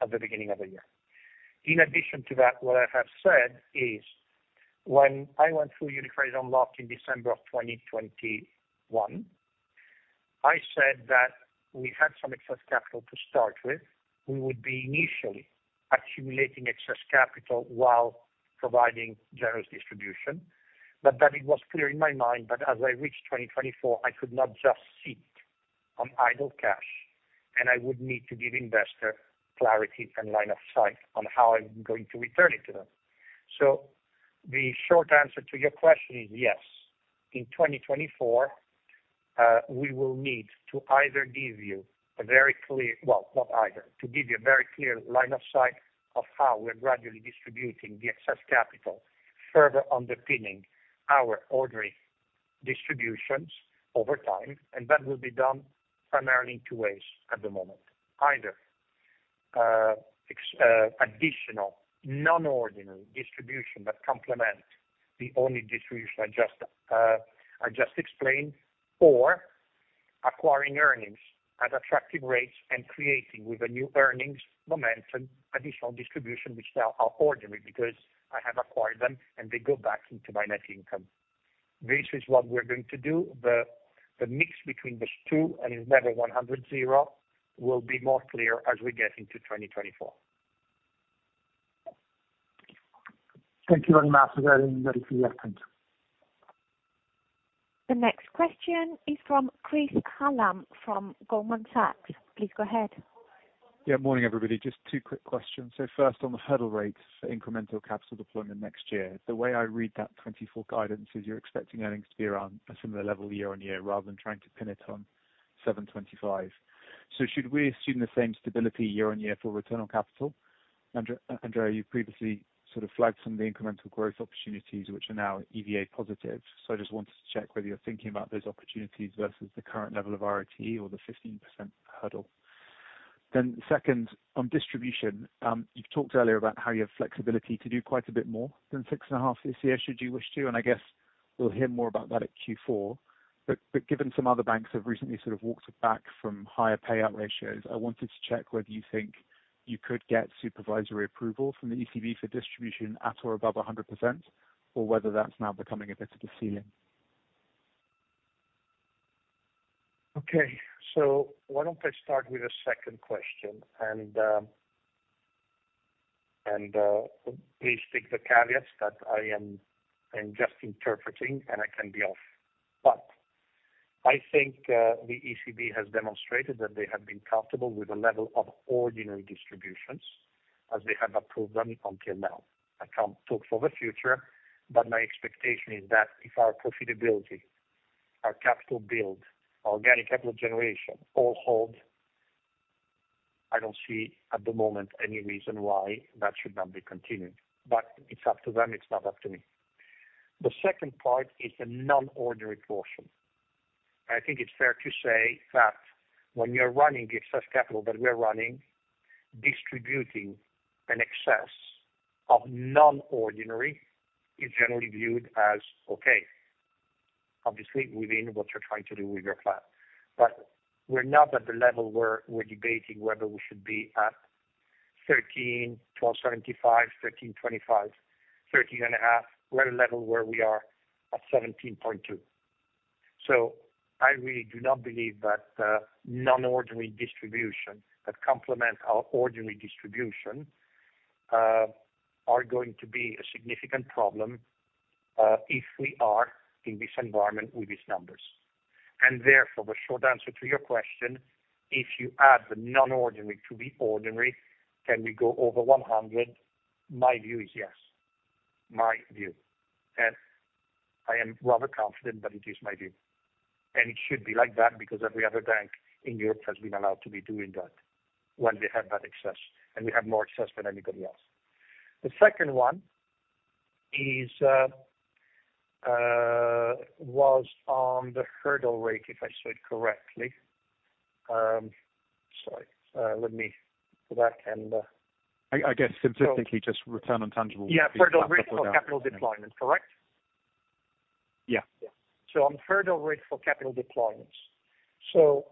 Speaker 3: at the beginning of the year. In addition to that, what I have said is, when I went through UniCredit Unlocked in December 2021, I said that we had some excess capital to start with. We would be initially accumulating excess capital while providing generous distribution, but that it was clear in my mind that as I reached 2024, I could not just sit on idle cash, and I would need to give investor clarity and line of sight on how I'm going to return it to them. So the short answer to your question is yes, in 2024-... We will need to either give you a very clear, well, not either, to give you a very clear line of sight of how we're gradually distributing the excess capital, further underpinning our ordinary distributions over time, and that will be done primarily in two ways at the moment. Either, additional non-ordinary distribution, but complement the only distribution I just explained, or acquiring earnings at attractive rates and creating with a new earnings momentum, additional distribution, which now are ordinary because I have acquired them, and they go back into my net income. This is what we're going to do. The mix between these two, and it's never 100-0, will be more clear as we get into 2024.
Speaker 10: Thank you very much for that very clear point.
Speaker 1: The next question is from Chris Hallam, from Goldman Sachs. Please go ahead.
Speaker 11: Yeah. Morning, everybody. Just two quick questions. So first, on the hurdle rates, incremental capital deployment next year, the way I read that 2024 guidance is you're expecting earnings to be around a similar level year-on-year, rather than trying to pin it on 725. So should we assume the same stability year-on-year for return on capital? Andrea, you previously sort of flagged some of the incremental growth opportunities, which are now EVA positive. So I just wanted to check whether you're thinking about those opportunities versus the current level of ROE or the 15% hurdle. Then second, on distribution, you've talked earlier about how you have flexibility to do quite a bit more than 6.5 this year, should you wish to, and I guess we'll hear more about that at Q4. But, given some other banks have recently sort of walked back from higher payout ratios, I wanted to check whether you think you could get supervisory approval from the ECB for distribution at or above 100%, or whether that's now becoming a bit of a ceiling?
Speaker 3: Okay. So why don't I start with the second question, and please take the caveats that I am, I'm just interpreting, and I can be off. But I think, the ECB has demonstrated that they have been comfortable with the level of ordinary distributions as they have approved them until now. I can't talk for the future, but my expectation is that if our profitability, our capital build, organic capital generation, all hold, I don't see at the moment any reason why that should not be continued, but it's up to them, it's not up to me. The second part is the non-ordinary portion. I think it's fair to say that when you're running the excess capital that we're running, distributing an excess of non-ordinary is generally viewed as okay, obviously, within what you're trying to do with your plan. But we're not at the level where we're debating whether we should be at 13%, 12.75%, 13.25%, 13.5%. We're at a level where we are at 17.2%. So I really do not believe that, non-ordinary distribution, that complement our ordinary distribution, are going to be a significant problem, if we are in this environment with these numbers. And therefore, the short answer to your question, if you add the non-ordinary to the ordinary, can we go over 100? My view is yes. My view, and I am rather confident, but it is my view. And it should be like that, because every other bank in Europe has been allowed to be doing that when we have that excess, and we have more excess than anybody else. The second one is was on the hurdle rate, if I saw it correctly. Sorry, let me go back and-
Speaker 11: I guess specifically just return on tangible-
Speaker 3: Yeah, hurdle rate for capital deployment, correct?
Speaker 11: Yeah.
Speaker 3: Yeah. So on hurdle rate for capital deployment. So,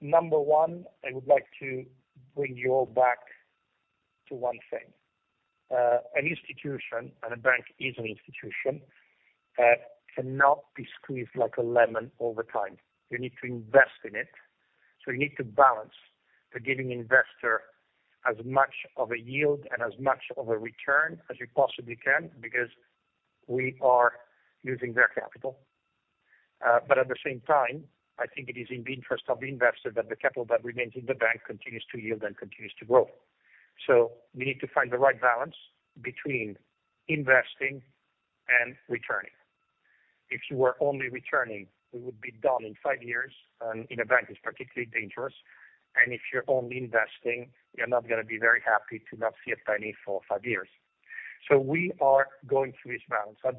Speaker 3: number one, I would like to bring you all back to one thing, an institution, and a bank is an institution, cannot be squeezed like a lemon over time. You need to invest in it. So you need to balance the giving investor as much of a yield and as much of a return as you possibly can, because we are using their capital. But at the same time, I think it is in the interest of the investor, that the capital that remains in the bank continues to yield and continues to grow. So we need to find the right balance between investing and returning. If you were only returning, we would be done in five years, and in a bank, it's particularly dangerous, and if you're only investing, you're not going to be very happy to not see a penny for five years. So we are going through this balance. At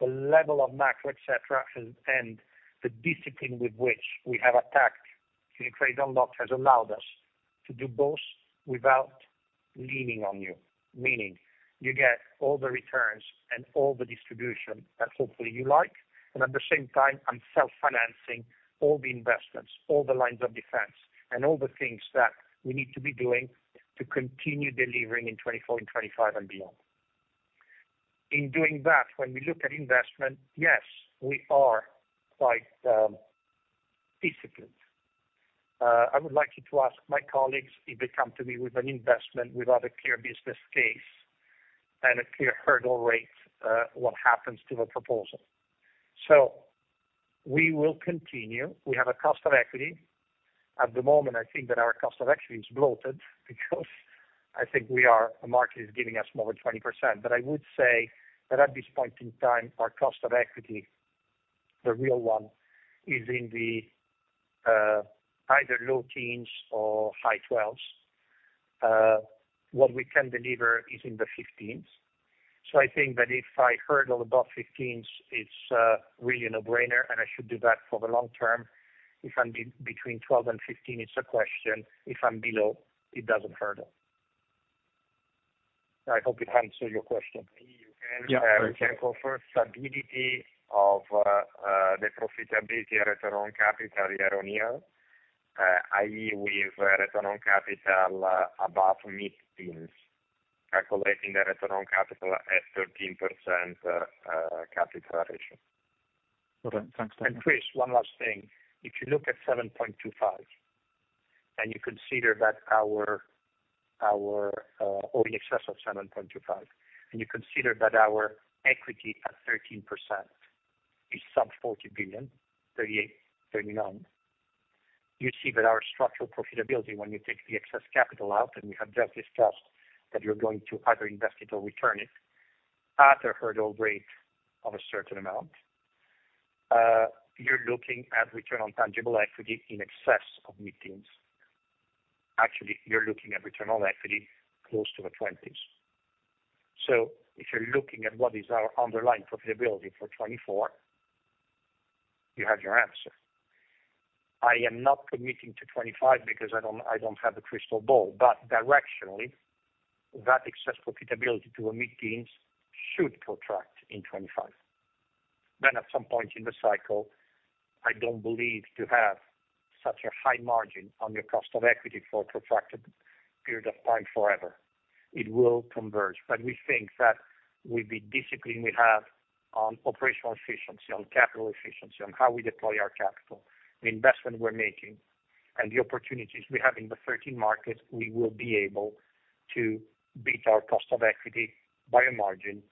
Speaker 3: the moment, the level of macro, et cetera, and the discipline with which we have attacked the Credit Unlocked, has allowed us to do both without leaning on you. Meaning you get all the returns and all the distribution that hopefully you like, and at the same time, I'm self-financing all the investments, all the lines of defense, and all the things that we need to be doing to continue delivering in 2024 and 2025 and beyond. In doing that, when we look at investment, yes, we are quite disciplined. I would like you to ask my colleagues, if they come to me with an investment without a clear business case and a clear hurdle rate, what happens to the proposal? So we will continue. We have a cost of equity at the moment. I think that our cost of equity is bloated because I think we are, the market is giving us more than 20%. But I would say that at this point in time, our cost of equity, the real one, is in the either low teens or high 12s. What we can deliver is in the 15s. So I think that if I hurdle above 15s, it's really a no-brainer, and I should do that for the long term. If I'm between 12 and 15, it's a question. If I'm below, it doesn't hurdle. I hope it answers your question.
Speaker 11: Yeah, thanks.
Speaker 4: We can confirm stability of the profitability return on capital year-on-year, i.e., with return on capital, capital ratio.
Speaker 11: Okay, thanks very much.
Speaker 3: Chris, one last thing. If you look at 7.25, and you consider that our or in excess of 7.25, and you consider that our equity at 13% is some 40 billion, 38, 39. You see that our structural profitability, when you take the excess capital out, and we have just discussed that you're going to either invest it or return it at a hurdle rate of a certain amount, you're looking at return on tangible equity in excess of mid-teens. Actually, you're looking at return on equity close to the 20s. So if you're looking at what is our underlying profitability for 2024, you have your answer. I am not committing to 2025 because I don't, I don't have a crystal ball, but directionally, that excess profitability to a mid-teens should contract in 2025. Then at some point in the cycle, I don't believe to have such a high margin on your cost of equity for a protracted period of time forever. It will converge, but we think that with the discipline we have on operational efficiency, on capital efficiency, on how we deploy our capital, the investment we're making, and the opportunities we have in the 13 markets, we will be able to beat our cost of equity by a margin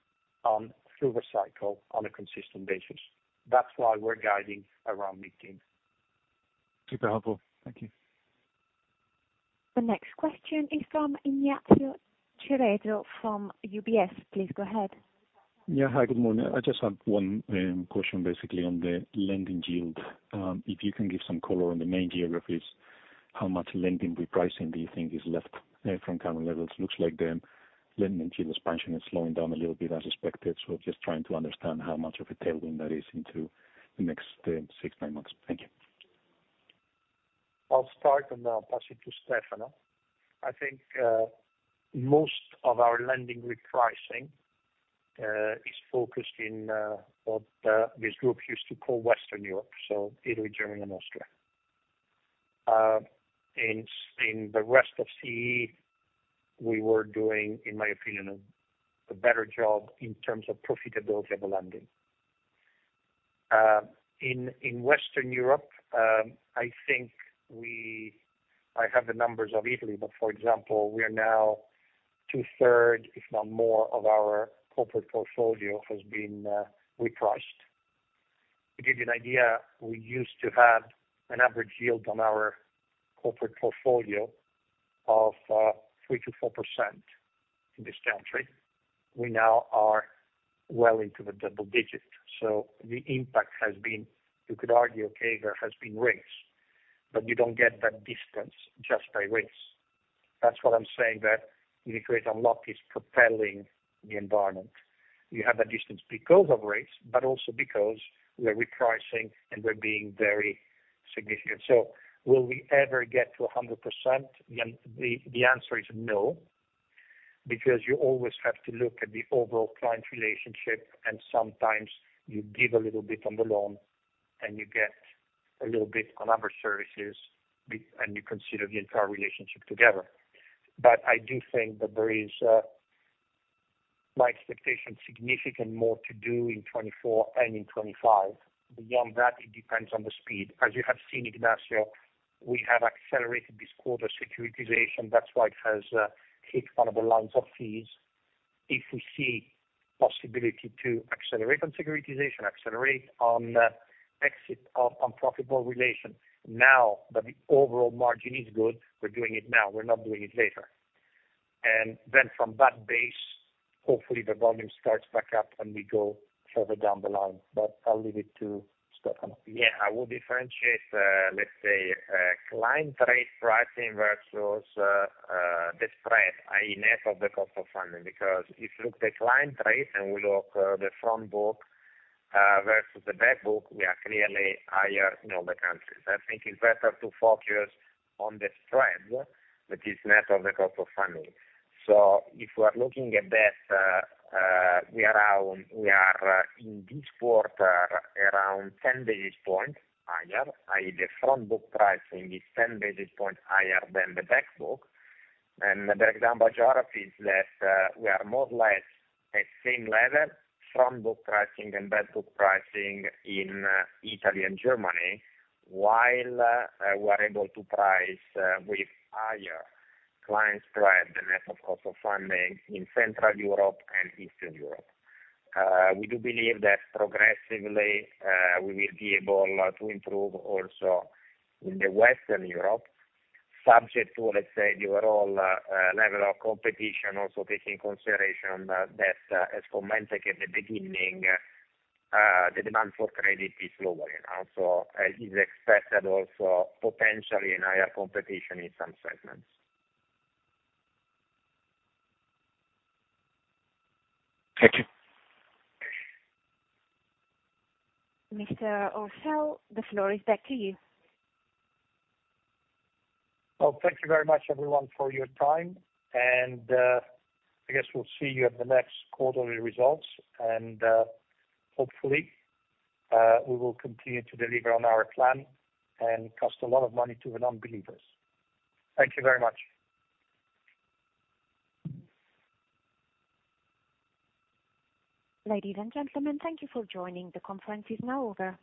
Speaker 3: on through the cycle on a consistent basis. That's why we're guiding around mid-teens.
Speaker 11: Super helpful. Thank you.
Speaker 1: The next question is from Ignacio Cerezo, from UBS. Please go ahead.
Speaker 12: Yeah. Hi, good morning. I just had one question, basically on the lending yield. If you can give some color on the main geographies, how much lending repricing do you think is left from current levels? Looks like the lending yield expansion is slowing down a little bit as expected. So just trying to understand how much of a tailwind that is into the next six to nine months. Thank you.
Speaker 3: I'll start and then pass it to Stefano. I think most of our lending repricing is focused in what this group used to call Western Europe, so Italy, Germany, and Austria. In the rest of CE, we were doing, in my opinion, a better job in terms of profitability of the lending. In Western Europe, I think we... I have the numbers of Italy, but for example, we are now two-thirds, if not more, of our corporate portfolio has been repriced. To give you an idea, we used to have an average yield on our corporate portfolio of 3%-4% in this country. We now are well into the double digits, so the impact has been, you could argue, okay, there has been rates, but you don't get that distance just by rates. That's what I'm saying, that the rate unlock is propelling the environment. You have that distance because of rates, but also because we are repricing, and we're being very significant. So will we ever get to 100%? Then the answer is no, because you always have to look at the overall client relationship, and sometimes you give a little bit on the loan, and you get a little bit on other services, and you consider the entire relationship together. But I do think that there is my expectation, significant more to do in 2024 and in 2025. Beyond that, it depends on the speed. As you have seen, Ignacio, we have accelerated this quarter securitization. That's why it has hit one of the lines of fees. If we see possibility to accelerate on securitization, accelerate on, exit, on, on profitable relation, now that the overall margin is good, we're doing it now. We're not doing it later. And then from that base, hopefully, the volume starts back up, and we go further down the line, but I'll leave it to Stefano.
Speaker 4: Yeah. I would differentiate, let's say, client rate pricing versus, the spread, i.e., net of the cost of funding, because if you look the client rate, and we look, the front book, versus the back book, we are clearly higher in all the countries. I think it's better to focus on the spread, which is net of the cost of funding. So if we are looking at that, we are around, in this quarter, around ten basis points higher, i.e., the front book pricing is ten basis points higher than the back book. And the example geography is that, we are more or less at same level front book pricing and back book pricing in, Italy and Germany, while, we're able to price, with higher client spread the net of cost of funding in Central Europe and Eastern Europe. We do believe that progressively, we will be able, to improve also in Western Europe, subject to, let's say, the overall, level of competition. Also, taking consideration, that, as commented at the beginning, the demand for credit is lower now. So, it is expected also potentially in higher competition in some segments.
Speaker 12: Thank you.
Speaker 1: Mr. Orcel, the floor is back to you.
Speaker 3: Well, thank you very much, everyone, for your time, and I guess we'll see you at the next quarterly results. Hopefully, we will continue to deliver on our plan and cost a lot of money to the non-believers. Thank you very much.
Speaker 1: Ladies and gentlemen, thank you for joining. The conference is now over.